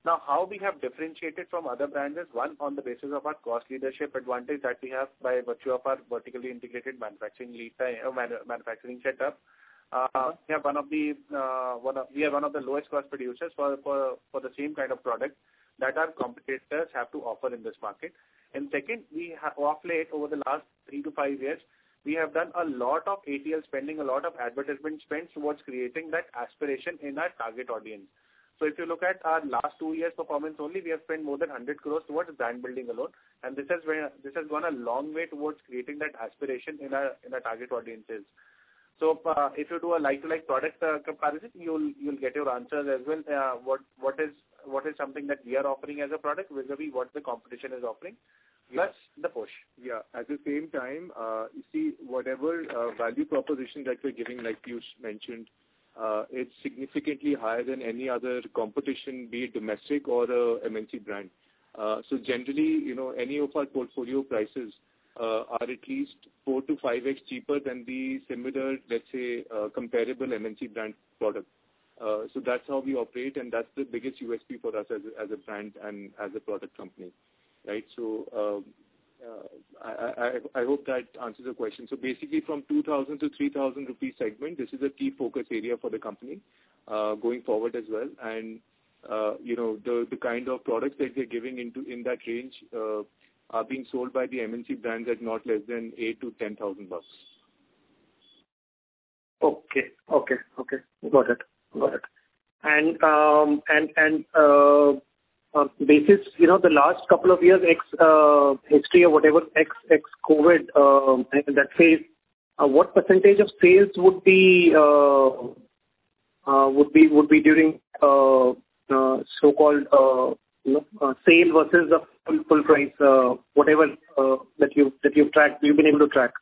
Now, how we have differentiated from other brands is one, on the basis of our cost leadership advantage that we have by virtue of our vertically integrated manufacturing setup. We are one of the lowest cost producers for the same kind of product that our competitors have to offer in this market. Second, of late, over the last three to five years, we have done a lot of ATL spending, a lot of advertisement spend towards creating that aspiration in our target audience. So if you look at our last two years' performance only, we have spent more than 100 crores towards brand building alone. And this has gone a long way towards creating that aspiration in our target audiences. So if you do a like-for-like product comparison, you'll get your answers as well. What is something that we are offering as a product vis-à-vis what the competition is offering? That's the push. Yeah. At the same time, you see whatever value proposition that you're giving, like you mentioned, it's significantly higher than any other competition, be it domestic or an MNC brand. So generally, any of our portfolio prices are at least four to five X cheaper than the similar, let's say, comparable MNC brand product. So that's how we operate. And that's the biggest USP for us as a brand and as a product company, right? So I hope that answers your question. So basically, from 2,000-3,000 rupee segment, this is a key focus area for the company going forward as well. And the kind of products that they're putting into in that range are being sold by the MNC brands at not less than INR 8,000-INR 10,000. Okay. Okay. Okay. Got it. Got it. And basis, the last couple of years' history or whatever, ex-COVID, let's say, what percentage of sales would be during so-called sale versus the full price, whatever that you've been able to track?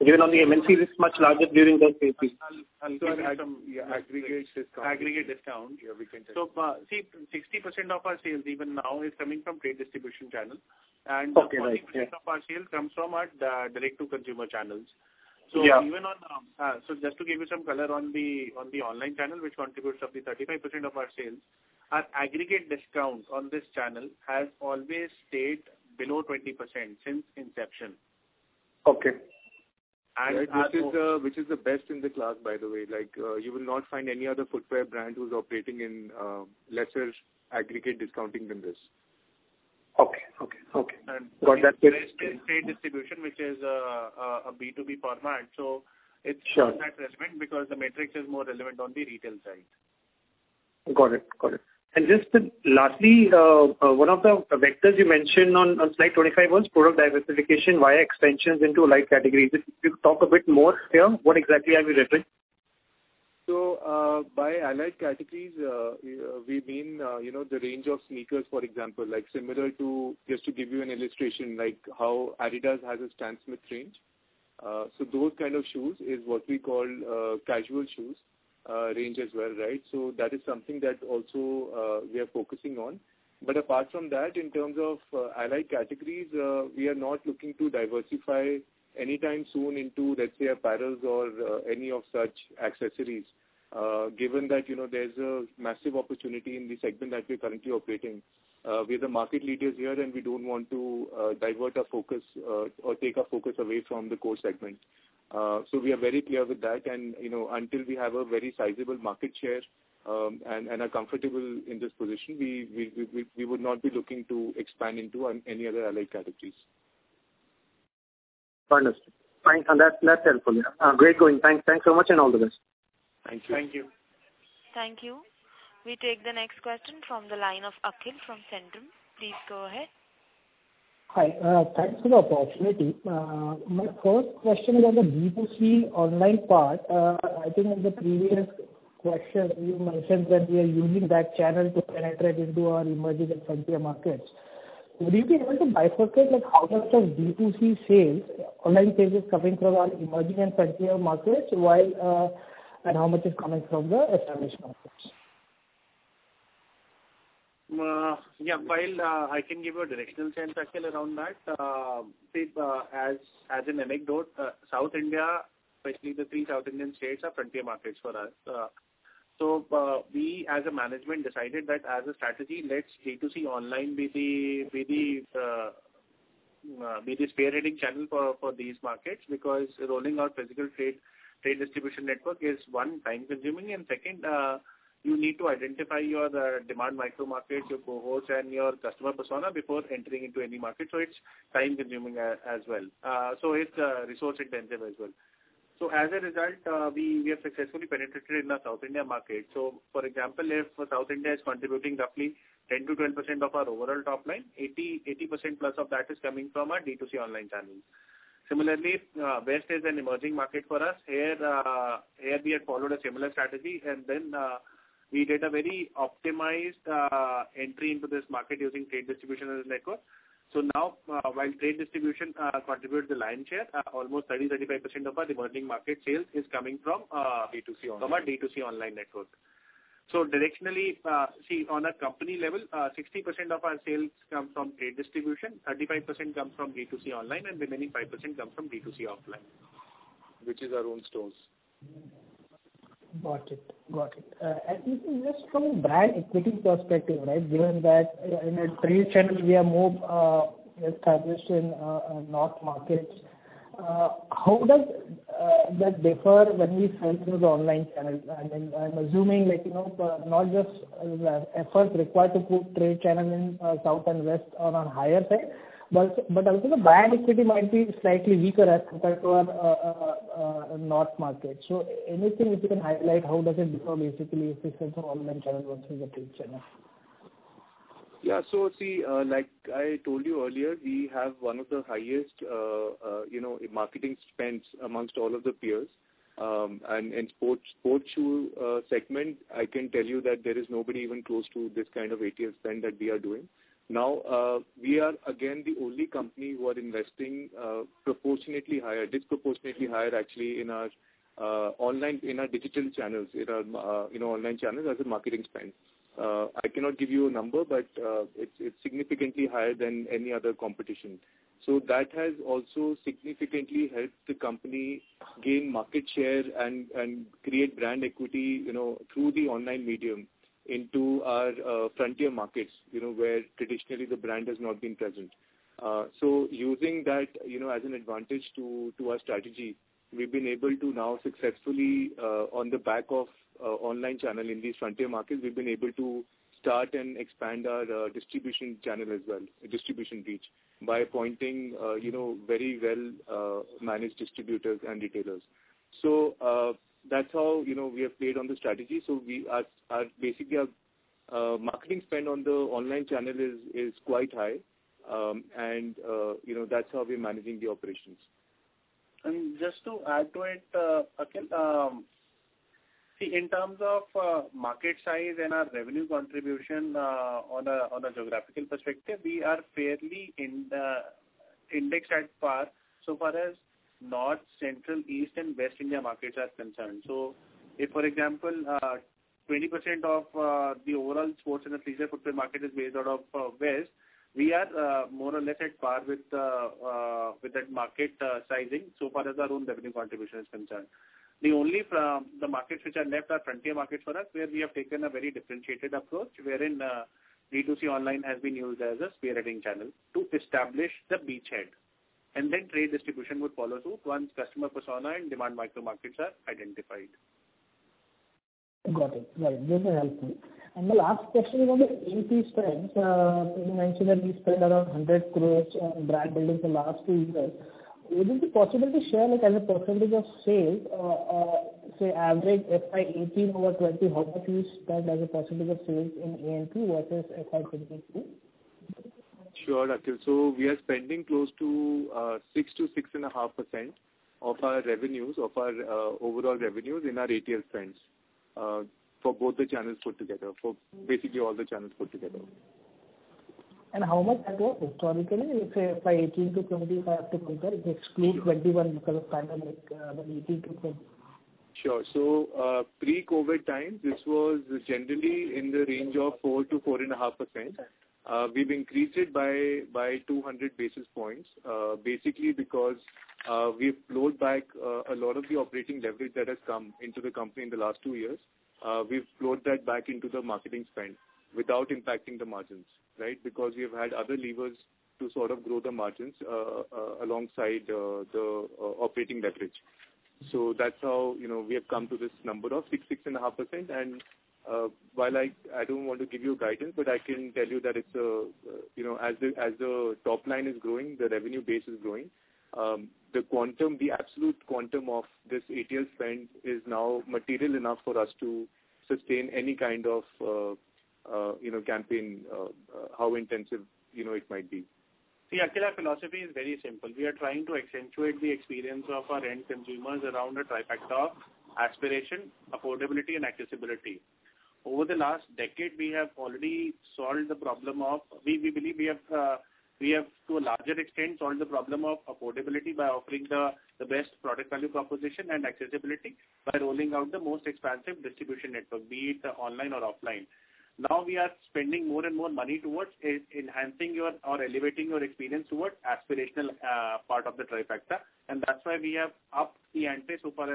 Even on the MNC, it's much larger during those cases. Yeah. Aggregate discount. Aggregate discount. Yeah. We can tell you. See, 60% of our sales even now is coming from trade distribution channel. 60% of our sales comes from our direct-to-consumer channels. Just to give you some color on the online channel, which contributes roughly 35% of our sales, our aggregate discount on this channel has always stayed below 20% since inception. Okay. This is the best in the class, by the way. You will not find any other footwear brand who's operating in lesser aggregate discounting than this. Okay. Okay. Okay. That's it. And trade distribution, which is a B2B format. So it's not that relevant because the matrix is more relevant on the retail side. Got it. Got it. And just lastly, one of the vectors you mentioned on slide 25 was product diversification via extensions into light categories. If you talk a bit more here, what exactly are we referring to? So by allied categories, we mean the range of sneakers, for example, similar to just to give you an illustration, like how Adidas has a Stan Smith range. So those kind of shoes is what we call casual shoes range as well, right? So that is something that also we are focusing on. But apart from that, in terms of allied categories, we are not looking to diversify anytime soon into, let's say, apparels or any of such accessories, given that there's a massive opportunity in the segment that we're currently operating. We are the market leaders here, and we don't want to divert our focus or take our focus away from the core segment. So we are very clear with that. And until we have a very sizable market share and are comfortable in this position, we would not be looking to expand into any other allied categories. Understood, and that's helpful. Great going. Thanks so much, and all the best. Thank you. Thank you. Thank you. We take the next question from the line of Akhil from Centrum. Please go ahead. Hi. Thanks for the opportunity. My first question is on the B2C online part. I think in the previous question, you mentioned that we are using that channel to penetrate into our emerging and frontier markets. Would you be able to bifurcate how much of B2C online sales coming from our emerging and frontier markets, and how much is coming from the established markets? Yeah. While I can give you a directional sense, Akhil, around that, as an anecdote, South India, especially the three South Indian states, are frontier markets for us. So we, as a management, decided that as a strategy, let's B2C online be the spearheading channel for these markets because rolling out physical trade distribution network is, one, time-consuming. And second, you need to identify your demand micro-markets, your cohorts, and your customer persona before entering into any market. So it's time-consuming as well. So it's resource-intensive as well. So as a result, we have successfully penetrated in our South India market. So for example, if South India is contributing roughly 10%-12% of our overall top line, 80% plus of that is coming from our D2C online channels. Similarly, West is an emerging market for us. Here we had followed a similar strategy, and then we did a very optimized entry into this market using trade distribution as a network. So now, while trade distribution contributes the lion's share, almost 30-35% of our emerging market sales is coming from B2C online network. So directionally, see, on a company level, 60% of our sales come from trade distribution, 35% comes from B2C online, and remaining 5% comes from B2C offline. Which is our own stores. Got it. Got it. And just from a brand equity perspective, right, given that in a trade channel, we are more established in North markets, how does that differ when we sell through the online channel? I mean, I'm assuming not just the effort required to put trade channel in South and West on our higher side, but also the brand equity might be slightly weaker as compared to our North market. So anything you can highlight, how does it differ, basically, if we sell through online channel versus the trade channel? Yeah. So see, like I told you earlier, we have one of the highest marketing spends amongst all of the peers. And in sports shoe segment, I can tell you that there is nobody even close to this kind of ATL spend that we are doing. Now, we are, again, the only company who are investing proportionately higher, disproportionately higher, actually, in our online in our digital channels, in our online channels as a marketing spend. I cannot give you a number, but it's significantly higher than any other competition. So that has also significantly helped the company gain market share and create brand equity through the online medium into our frontier markets where traditionally the brand has not been present. So using that as an advantage to our strategy, we've been able to now successfully, on the back of online channel in these frontier markets, we've been able to start and expand our distribution channel as well, distribution reach, by appointing very well-managed distributors and retailers. So that's how we have played on the strategy. So basically, our marketing spend on the online channel is quite high. And that's how we're managing the operations. And just to add to it, Akhil, see, in terms of market size and our revenue contribution on a geographical perspective, we are fairly indexed at par so far as North India, Central India, East India, and West India markets are concerned. So if, for example, 20% of the overall sports and athleisure footwear market is based out of West India, we are more or less at par with that market sizing so far as our own revenue contribution is concerned. The markets which are left are frontier markets for us, where we have taken a very differentiated approach, wherein B2C online has been used as a spearheading channel to establish the beachhead. And then trade distribution would follow suit once customer persona and demand micro-markets are identified. Got it. Got it. This is helpful, and the last question about the increase spends. You mentioned that we spent around 100 crores on brand building for the last two years. Would it be possible to share as a percentage of sales, say, average FY 2018 over FY 2020, how much you spend as a percentage of sales in A&P versus FY 2022? Sure, Akhil. So we are spending close to 6%-6.5% of our revenues, of our overall revenues in our ATL spends for both the channels put together, for basically all the channels put together. How much that was historically, let's say, FY 2018-2020, if I have to compare, exclude 2021 because of pandemic, but 2018-2020? Sure. So pre-COVID times, this was generally in the range of 4%-4.5%. We've increased it by 200 basis points, basically because we've pulled back a lot of the operating leverage that has come into the company in the last two years. We've pulled that back into the marketing spend without impacting the margins, right, because we have had other levers to sort of grow the margins alongside the operating leverage. So that's how we have come to this number of 6%-6.5%. And while I don't want to give you guidance, but I can tell you that as the top line is growing, the revenue base is growing. The absolute quantum of this ATL spend is now material enough for us to sustain any kind of campaign, how intensive it might be. See, Akhil, our philosophy is very simple. We are trying to accentuate the experience of our end consumers around a trifecta of aspiration, affordability, and accessibility. Over the last decade, we have already solved the problem. We believe we have, to a larger extent, solved the problem of affordability by offering the best product value proposition and accessibility by rolling out the most expansive distribution network, be it online or offline. Now we are spending more and more money towards enhancing or elevating your experience towards the aspirational part of the trifecta. That's why we have upped the ante so far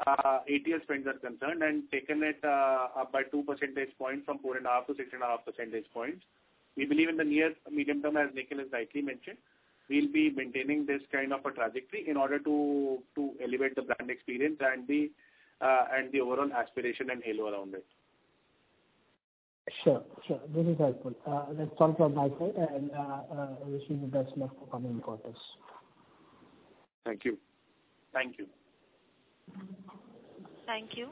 as our ATL spends are concerned and taken it up by two percentage points from 4.5 to 6.5 percentage points. We believe in the near medium term, as Nikhil has rightly mentioned, we'll be maintaining this kind of a trajectory in order to elevate the brand experience and the overall aspiration and halo around it. Sure. Sure. This is helpful. Let's talk to Akhil and wish him the best luck for coming forward. Thank you. Thank you. Thank you.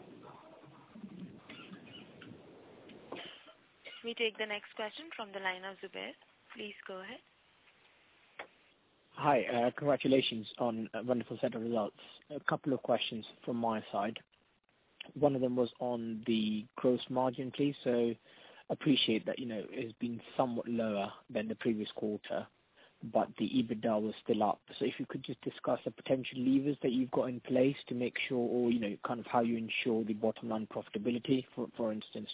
We take the next question from the line of Zubair. Please go ahead. Hi. Congratulations on a wonderful set of results. A couple of questions from my side. One of them was on the gross margin, please. So appreciate that it has been somewhat lower than the previous quarter, but the EBITDA was still up. So if you could just discuss the potential levers that you've got in place to make sure or kind of how you ensure the bottom line profitability. For instance,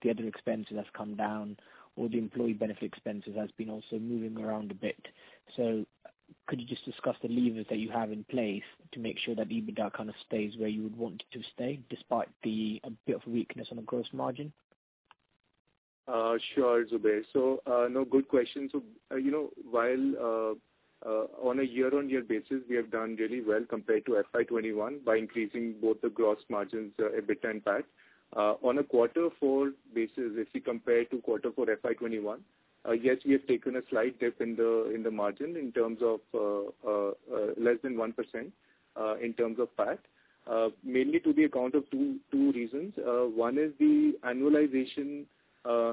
the other expenses have come down or the employee benefit expenses have been also moving around a bit. So could you just discuss the levers that you have in place to make sure that EBITDA kind of stays where you would want it to stay despite the bit of weakness on the gross margin? Sure, Zubair. So good question. So while on a year-on-year basis, we have done really well compared to FY 2021 by increasing both the gross margins, EBITDA and PAT. On a quarter-four basis, if you compare to quarter-four FY 2021, yes, we have taken a slight dip in the margin in terms of less than 1% in terms of PAT, mainly on account of two reasons. One is the annualization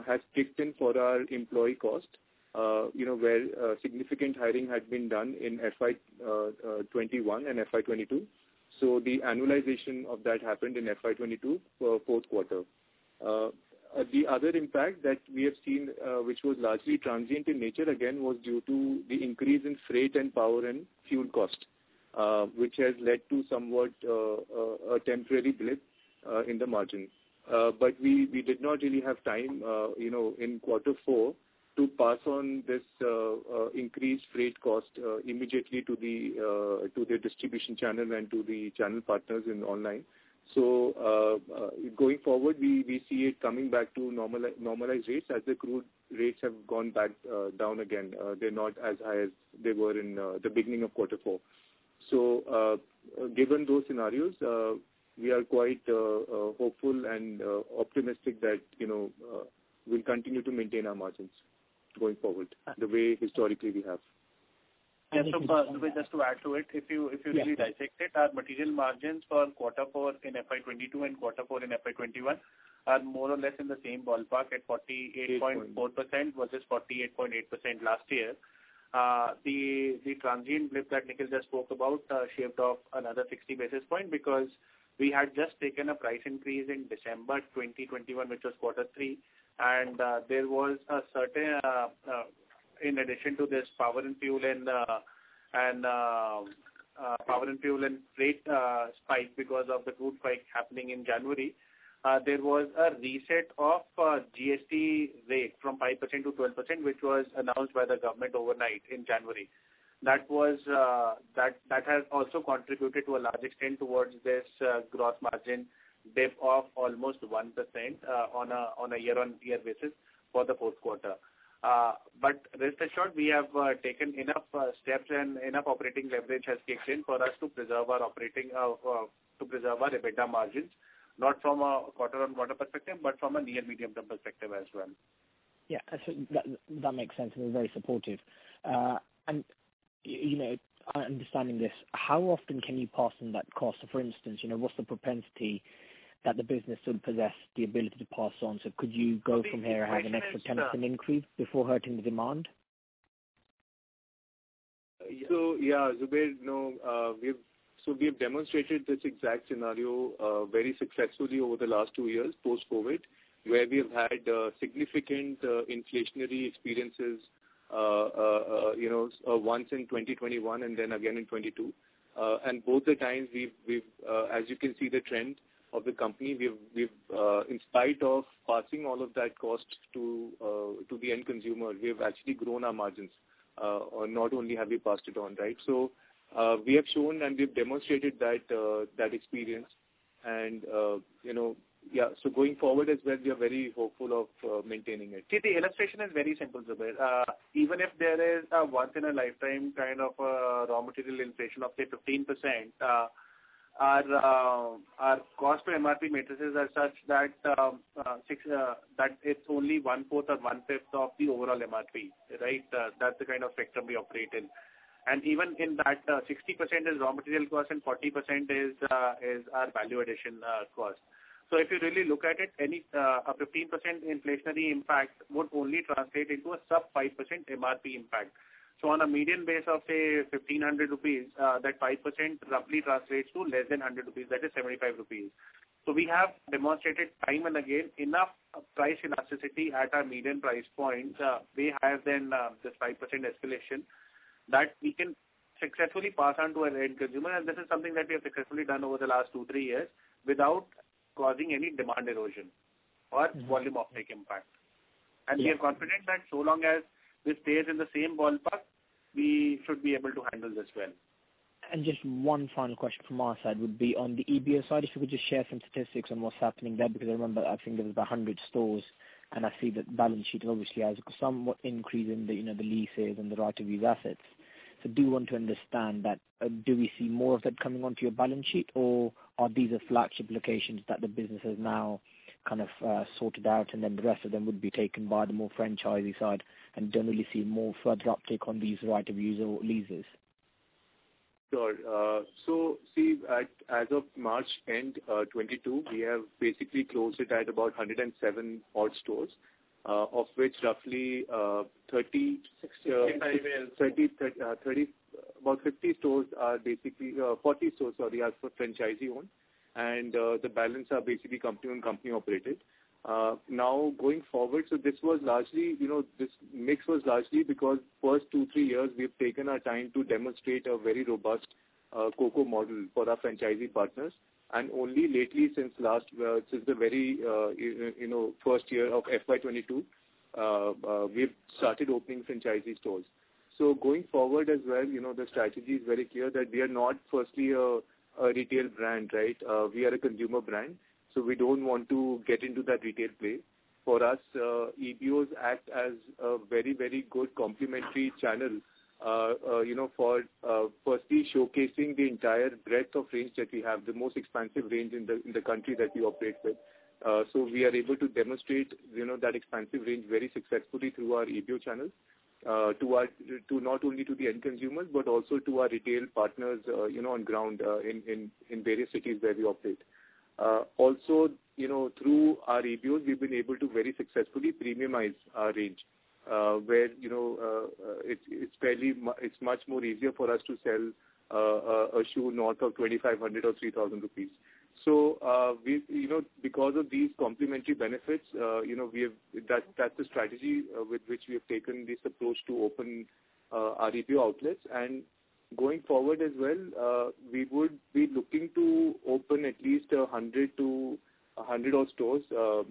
has kicked in for our employee cost, where significant hiring had been done in FY 2021 and FY 2022. So the annualization of that happened in FY 2022 for fourth quarter. The other impact that we have seen, which was largely transient in nature, again, was due to the increase in freight and power and fuel cost, which has led to somewhat a temporary blip in the margin. But we did not really have time in quarter four to pass on this increased freight cost immediately to the distribution channel and to the channel partners in online. So going forward, we see it coming back to normalized rates as the crude rates have gone back down again. They're not as high as they were in the beginning of quarter four. So given those scenarios, we are quite hopeful and optimistic that we'll continue to maintain our margins going forward the way historically we have. So far, Zubair, just to add to it, if you really dissect it, our material margins for quarter four in FY 2022 and quarter four in FY 2021 are more or less in the same ballpark at 48.4% versus 48.8% last year. The transient blip that Nikhil just spoke about shaved off another 60 basis points because we had just taken a price increase in December 2021, which was quarter three. There was a certain, in addition to this power and fuel and freight spike because of the crude spike happening in January, there was a reset of GST rate from 5% to 12%, which was announced by the government overnight in January. That has also contributed to a large extent towards this gross margin dip of almost 1% on a year-on-year basis for the fourth quarter. Rest assured, we have taken enough steps and enough operating leverage has kicked in for us to preserve our operating EBITDA margins, not from a quarter-on-quarter perspective, but from a near medium-term perspective as well. Yeah. That makes sense. And we're very supportive. And understanding this, how often can you pass on that cost? So for instance, what's the propensity that the business would possess the ability to pass on? So could you go from here and have an extra 10% increase before hurting the demand? Yeah, Zubair, we have demonstrated this exact scenario very successfully over the last two years post-COVID, where we have had significant inflationary experiences once in 2021 and then again in 2022. Both the times, as you can see the trend of the company, in spite of passing all of that cost to the end consumer, we have actually grown our margins. Not only have we passed it on, right? We have shown and we have demonstrated that experience. Yeah, going forward as well, we are very hopeful of maintaining it. See, the illustration is very simple, Zubair. Even if there is a once-in-a-lifetime kind of raw material inflation of, say, 15%, our cost-to-MRP matrices are such that it's only one-fourth or one-fifth of the overall MRP, right? That's the kind of spectrum we operate in. And even in that, 60% is raw material cost and 40% is our value addition cost. So if you really look at it, a 15% inflationary impact would only translate into a sub-5% MRP impact. So on a median base of, say, 1,500 rupees, that 5% roughly translates to less than 100 rupees. That is 75 rupees. So we have demonstrated time and again enough price elasticity at our median price point, way higher than this 5% escalation, that we can successfully pass on to our end consumer. And this is something that we have successfully done over the last two, three years without causing any demand erosion or volume-of-take impact. And we are confident that so long as this stays in the same ballpark, we should be able to handle this well. Just one final question from our side would be, on the EBITDA side, if you could just share some statistics on what's happening there because I remember I think there was about 100 stores, and I see that balance sheet obviously has somewhat increase in the leases and the right-of-use assets. So do you want to understand that? Do we see more of that coming onto your balance sheet, or are these the flagship locations that the business has now kind of sorted out, and then the rest of them would be taken by the more franchisee side and don't really see more further uptake on these right-of-use or leases? Sure. So see, as of March end, 2022, we have basically closed it at about 107 odd stores, of which roughly 30. 65, yeah. About 50 stores are basically 40 stores, sorry, are franchisee-owned, and the balance are basically company-owned, company-operated. Now going forward, this mix was largely because first two-three years, we've taken our time to demonstrate a very robust COCO model for our franchisee partners. Only lately, since the very first year of FY 2022, we've started opening franchisee stores. Going forward as well, the strategy is very clear that we are not firstly a retail brand, right? We are a consumer brand, so we don't want to get into that retail play. For us, EBOs act as a very, very good complementary channel for firstly showcasing the entire breadth of range that we have, the most expansive range in the country that we operate with. We are able to demonstrate that expansive range very successfully through our EBO channel, not only to the end consumers, but also to our retail partners on ground in various cities where we operate. Also, through our EBO, we've been able to very successfully premiumize our range, where it's much more easier for us to sell a shoe north of 2,500 or 3,000 rupees. Because of these complementary benefits, that's the strategy with which we have taken this approach to open our EBO outlets. Going forward as well, we would be looking to open at least 100 odd stores on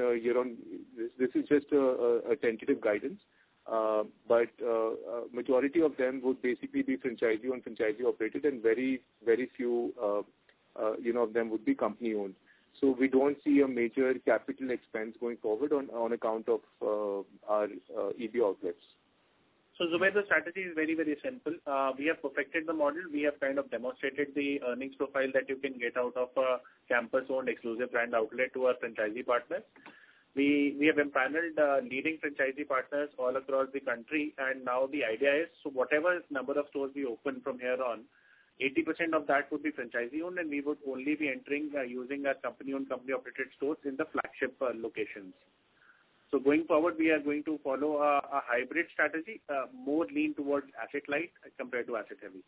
a year-on-year. This is just a tentative guidance, but a majority of them would basically be franchisee-owned, franchisee-operated, and very, very few of them would be company-owned. We don't see a major capital expense going forward on account of our EBO outlets. So Zubair, the strategy is very, very simple. We have perfected the model. We have kind of demonstrated the earnings profile that you can get out of a Campus-owned exclusive brand outlet to our franchisee partners. We have empaneled leading franchisee partners all across the country, and now the idea is, so whatever number of stores we open from here on, 80% of that would be franchisee-owned, and we would only be entering using our company-owned, company-operated stores in the flagship locations. So going forward, we are going to follow a hybrid strategy, more lean towards asset-light compared to asset-heavy.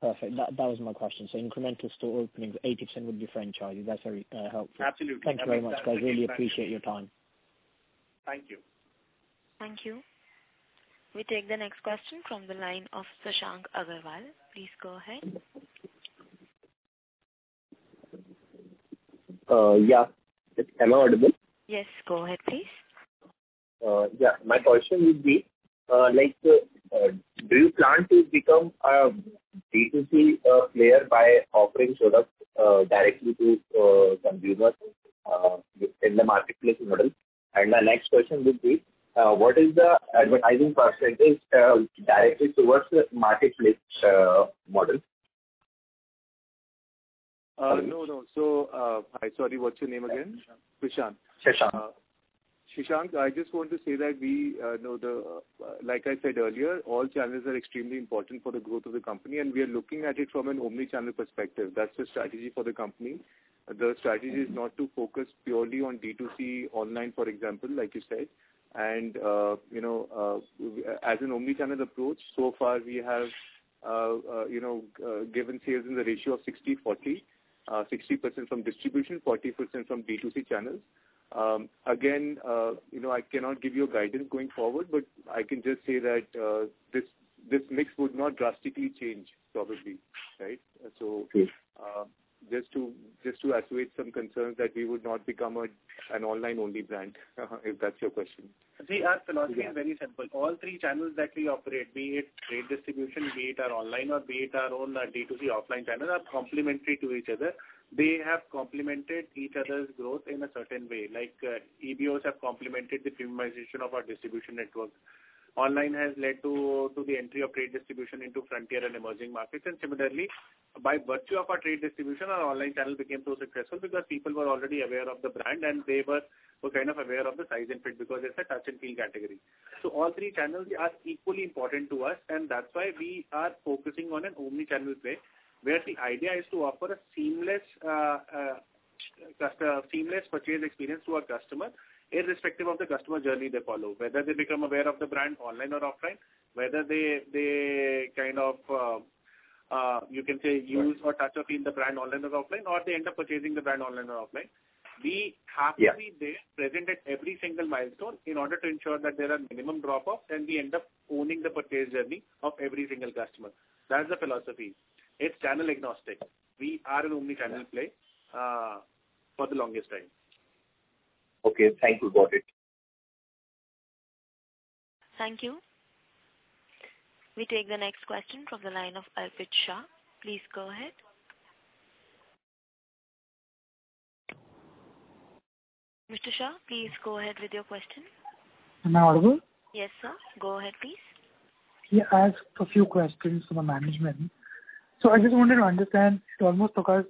Perfect. That was my question. So incremental store openings, 80% would be franchisee. That's very helpful. Absolutely. Thank you very much, guys. Really appreciate your time. Thank you. Thank you. We take the next question from the line of Shashank Agarwal. Please go ahead. Yeah. Hello, Audible. Yes. Go ahead, please. Yeah. My question would be, do you plan to become a B2C player by offering products directly to consumers in the marketplace model? And my next question would be, what is the advertising percentage directly towards the marketplace model? No, no. So sorry, what's your name again? Shashank. Shashank. Shashank, I just want to say that we know the, like I said earlier, all channels are extremely important for the growth of the company, and we are looking at it from an omnichannel perspective. That's the strategy for the company. The strategy is not to focus purely on D2C online, for example, like you said, and as an omnichannel approach, so far, we have given sales in the ratio of 60/40, 60% from distribution, 40% from D2C channels. Again, I cannot give you guidance going forward, but I can just say that this mix would not drastically change, probably, right? So just to assuage some concerns that we would not become an online-only brand, if that's your question. See, our philosophy is very simple. All three channels that we operate, be it trade distribution, be it our online, or be it our own D2C offline channel, are complementary to each other. They have complemented each other's growth in a certain way. EBOs have complemented the premiumization of our distribution network. Online has led to the entry of trade distribution into frontier and emerging markets, and similarly, by virtue of our trade distribution, our online channel became so successful because people were already aware of the brand, and they were kind of aware of the size and fit because it's a touch-and-feel category. So all three channels are equally important to us, and that's why we are focusing on an omnichannel play, where the idea is to offer a seamless purchase experience to our customer, irrespective of the customer journey they follow, whether they become aware of the brand online or offline, whether they kind of, you can say, use or touch or feel the brand online or offline, or they end up purchasing the brand online or offline. We have to be there, present at every single milestone in order to ensure that there are minimum drop-offs, and we end up owning the purchase journey of every single customer. That's the philosophy. It's channel agnostic. We are an omnichannel play for the longest time. Okay. Thank you for it. Thank you. We take the next question from the line of Anvit Shah. Please go ahead. Mr. Shah, please go ahead with your question. May I ask a few questions to the management? So I just wanted to understand, it almost took us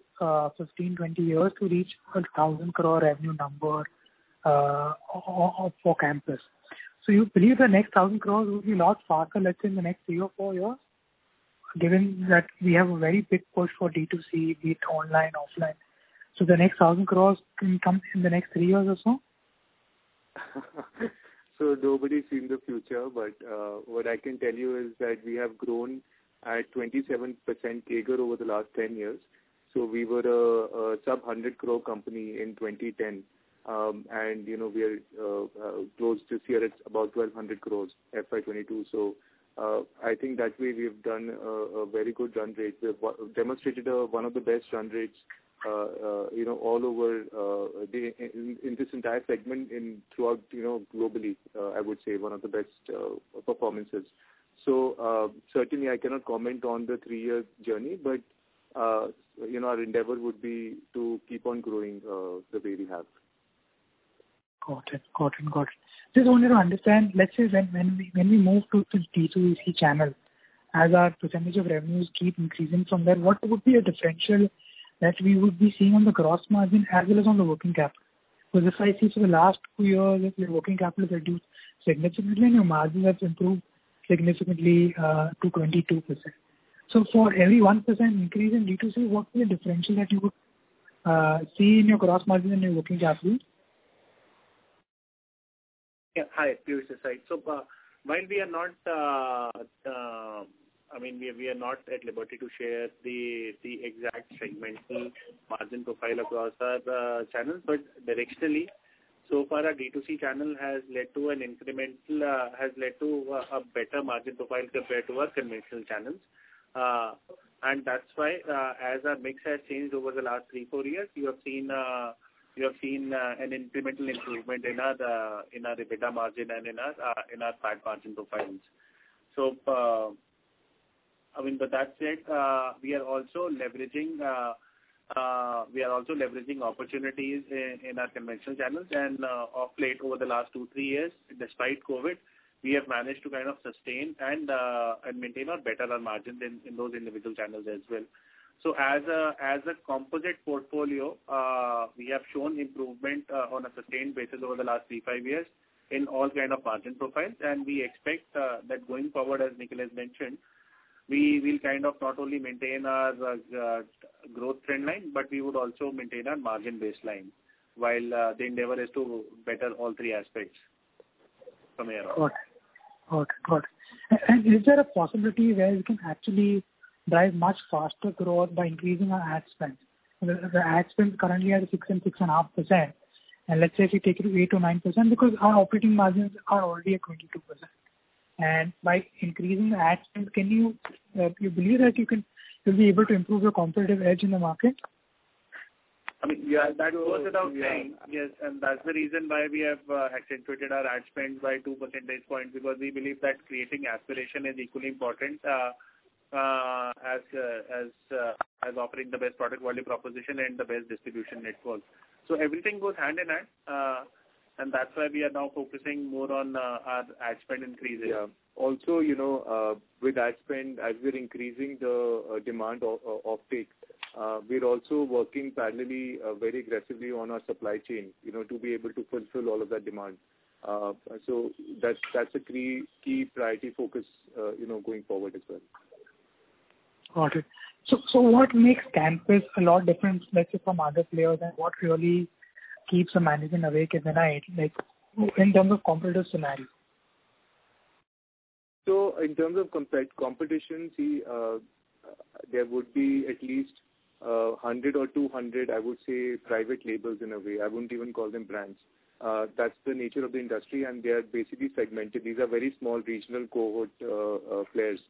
15, 20 years to reach a 1,000 crore revenue number for Campus. So you believe the next 1,000 crores will be a lot faster, let's say, in the next three or four years, given that we have a very big push for D2C, be it online, offline? So the next 1,000 crores can come in the next three years or so? So nobody's seen the future, but what I can tell you is that we have grown at 27% CAGR over the last 10 years. So we were a sub-100-crore company in 2010, and we are close to see about 1,200 crores FY 2022. So I think that way we have done a very good run rate. We have demonstrated one of the best run rates all over in this entire segment throughout globally, I would say, one of the best performances. So certainly, I cannot comment on the three-year journey, but our endeavor would be to keep on growing the way we have. Got it. Got it. Got it. Just wanted to understand, let's say when we move to the D2C channel, as our percentage of revenues keep increasing from there, what would be a differential that we would be seeing on the gross margin as well as on the working capital? Because if I see for the last two years, if your working capital has reduced significantly and your margins have improved significantly to 22%, so for every 1% increase in D2C, what's the differential that you would see in your gross margin and your working capital? Yeah. Hi, it's Piyush here to side. So while we are not, I mean, we are not at liberty to share the exact segmental margin profile across our channels, but directionally, so far, our D2C channel has led to a better margin profile compared to our conventional channels. And that's why, as our mix has changed over the last three, four years, you have seen an incremental improvement in our EBITDA margin and in our PAT margin profiles. So I mean, but that said, we are also leveraging opportunities in our conventional channels. And of late, over the last two, three years, despite COVID, we have managed to kind of sustain and maintain our better margins in those individual channels as well. As a composite portfolio, we have shown improvement on a sustained basis over the last three, five years in all kind of margin profiles. We expect that going forward, as Nikhil has mentioned, we will kind of not only maintain our growth trend line, but we would also maintain our margin baseline while the endeavor is to better all three aspects from here on. Got it. And is there a possibility where we can actually drive much faster growth by increasing our ad spend? The ad spend currently at 6%-6.5%, and let's say if you take it 8%-9% because our operating margins are already at 22%. And by increasing the ad spend, can you achieve that you'll be able to improve your competitive edge in the market? I mean, yeah, that was what I was saying. Yes. And that's the reason why we have accentuated our ad spend by 2 percentage points because we believe that creating aspiration is equally important as offering the best product-value proposition and the best distribution network. So everything goes hand in hand, and that's why we are now focusing more on our ad spend increasing. Yeah. Also, with ad spend, as we're increasing the demand uptake, we're also working parallelly very aggressively on our supply chain to be able to fulfill all of that demand. So that's a key priority focus going forward as well. Got it. So what makes Campus a lot different, let's say, from other players? What really keeps the management awake at night in terms of competitive scenarios? So in terms of competition, see, there would be at least 100 or 200, I would say, private labels in a way. I wouldn't even call them brands. That's the nature of the industry, and they are basically segmented. These are very small regional cohort players.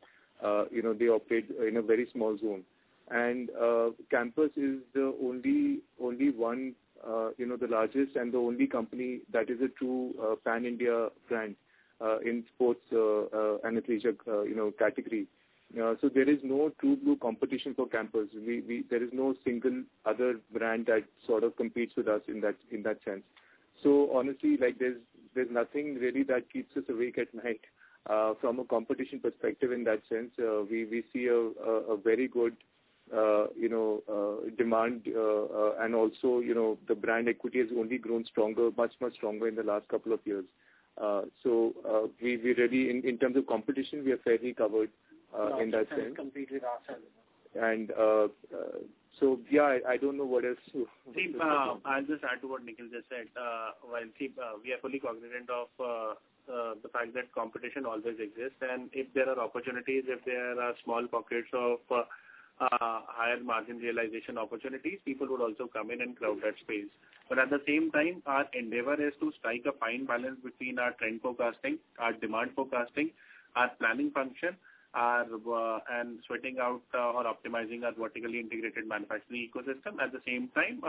They operate in a very small zone. And Campus is the only one, the largest, and the only company that is a true Pan-India brand in sports and athletic category. So there is no true-blue competition for Campus. There is no single other brand that sort of competes with us in that sense. So honestly, there's nothing really that keeps us awake at night. From a competition perspective in that sense, we see a very good demand, and also the brand equity has only grown stronger, much, much stronger in the last couple of years. So in terms of competition, we are fairly covered in that sense. Campus has completely lost. And so yeah, I don't know what else. See, I'll just add to what Nikhil just said. We are fully cognizant of the fact that competition always exists, and if there are opportunities, if there are small pockets of higher margin realization opportunities, people would also come in and crowd that space, but at the same time, our endeavor is to strike a fine balance between our trend forecasting, our demand forecasting, our planning function, and sweating out or optimizing our vertically integrated manufacturing ecosystem. At the same time,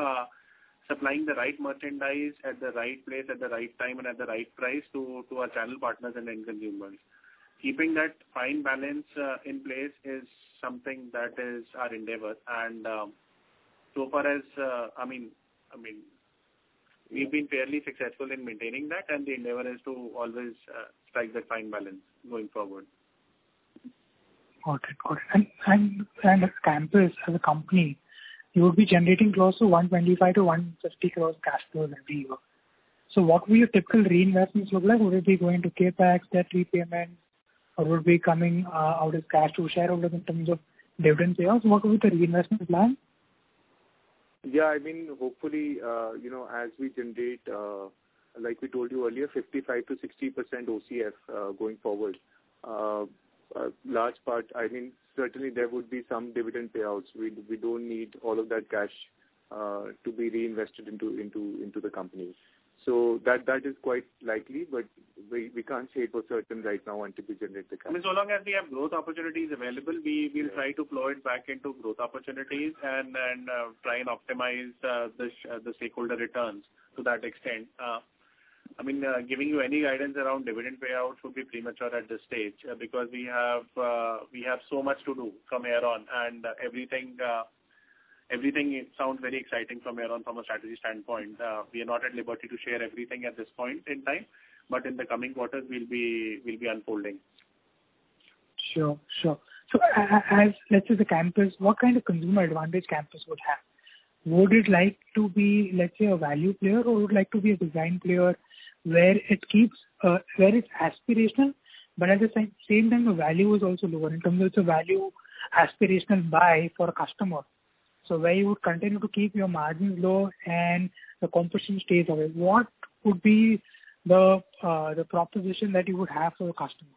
supplying the right merchandise at the right place, at the right time, and at the right price to our channel partners and end consumers. Keeping that fine balance in place is something that is our endeavor, and so far, I mean, we've been fairly successful in maintaining that, and the endeavor is to always strike that fine balance going forward. Got it. Got it. And as Campus, as a company, you would be generating close to 125 crores-150 crores cash flow every year. So what will your typical reinvestments look like? Would it be going to CapEx, debt repayments, or would it be coming out as cash to shareholders in terms of dividend payouts? What would be the reinvestment plan? Yeah. I mean, hopefully, as we generate, like we told you earlier, 55%-60% OCF going forward. I mean, certainly, there would be some dividend payouts. We don't need all of that cash to be reinvested into the company. So that is quite likely, but we can't say for certain right now when to generate the cash. I mean, so long as we have growth opportunities available, we will try to plow it back into growth opportunities and try and optimize the stakeholder returns to that extent. I mean, giving you any guidance around dividend payouts would be premature at this stage because we have so much to do from here on, and everything sounds very exciting from here on from a strategy standpoint. We are not at liberty to share everything at this point in time, but in the coming quarters, we'll be unfolding. Sure. Sure. So let's say the Campus, what kind of consumer advantage Campus would have? Would it like to be, let's say, a value player, or would it like to be a design player where it's aspirational, but at the same time, the value is also lower in terms of the value aspirational buy for a customer? So where you would continue to keep your margins low and the competition stays away? What would be the proposition that you would have for the customer?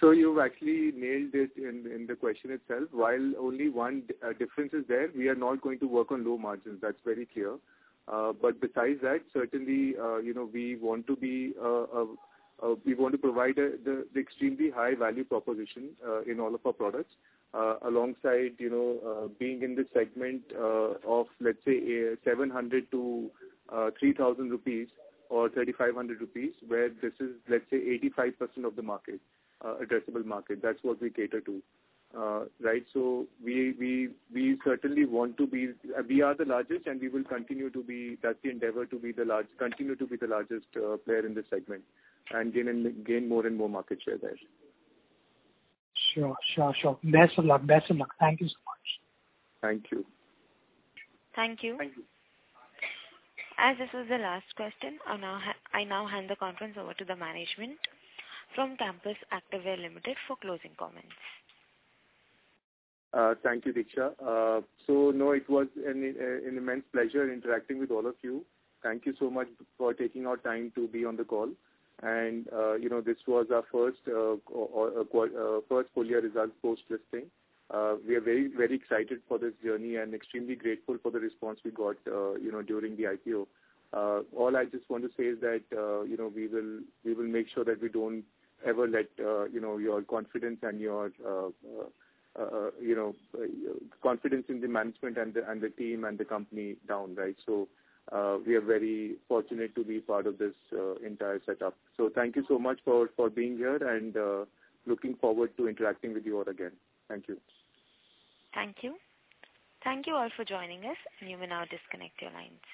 So you've actually nailed it in the question itself. While only one difference is there, we are not going to work on low margins. That's very clear. But besides that, certainly, we want to provide the extremely high value proposition in all of our products alongside being in the segment of, let's say, 700 rupees-3,000 rupees or 3,500 rupees, where this is, let's say, 85% of the market, addressable market. That's what we cater to, right? So we certainly want to be. We are the largest, and we will continue to be. That's the endeavor to continue to be the largest player in the segment and gain more and more market share there. Sure. Sure. Sure. Best of luck. Best of luck. Thank you so much. Thank you. Thank you. Thank you. As this was the last question, I now hand the conference over to the management from Campus Activewear Limited for closing comments. Thank you, Diksha. So no, it was an immense pleasure interacting with all of you. Thank you so much for taking our time to be on the call. And this was our first full-year results post-listing. We are very, very excited for this journey and extremely grateful for the response we got during the IPO. All I just want to say is that we will make sure that we don't ever let your confidence and your confidence in the management and the team and the company down, right? So we are very fortunate to be part of this entire setup. So thank you so much for being here and looking forward to interacting with you all again. Thank you. Thank you. Thank you all for joining us, and you may now disconnect your lines.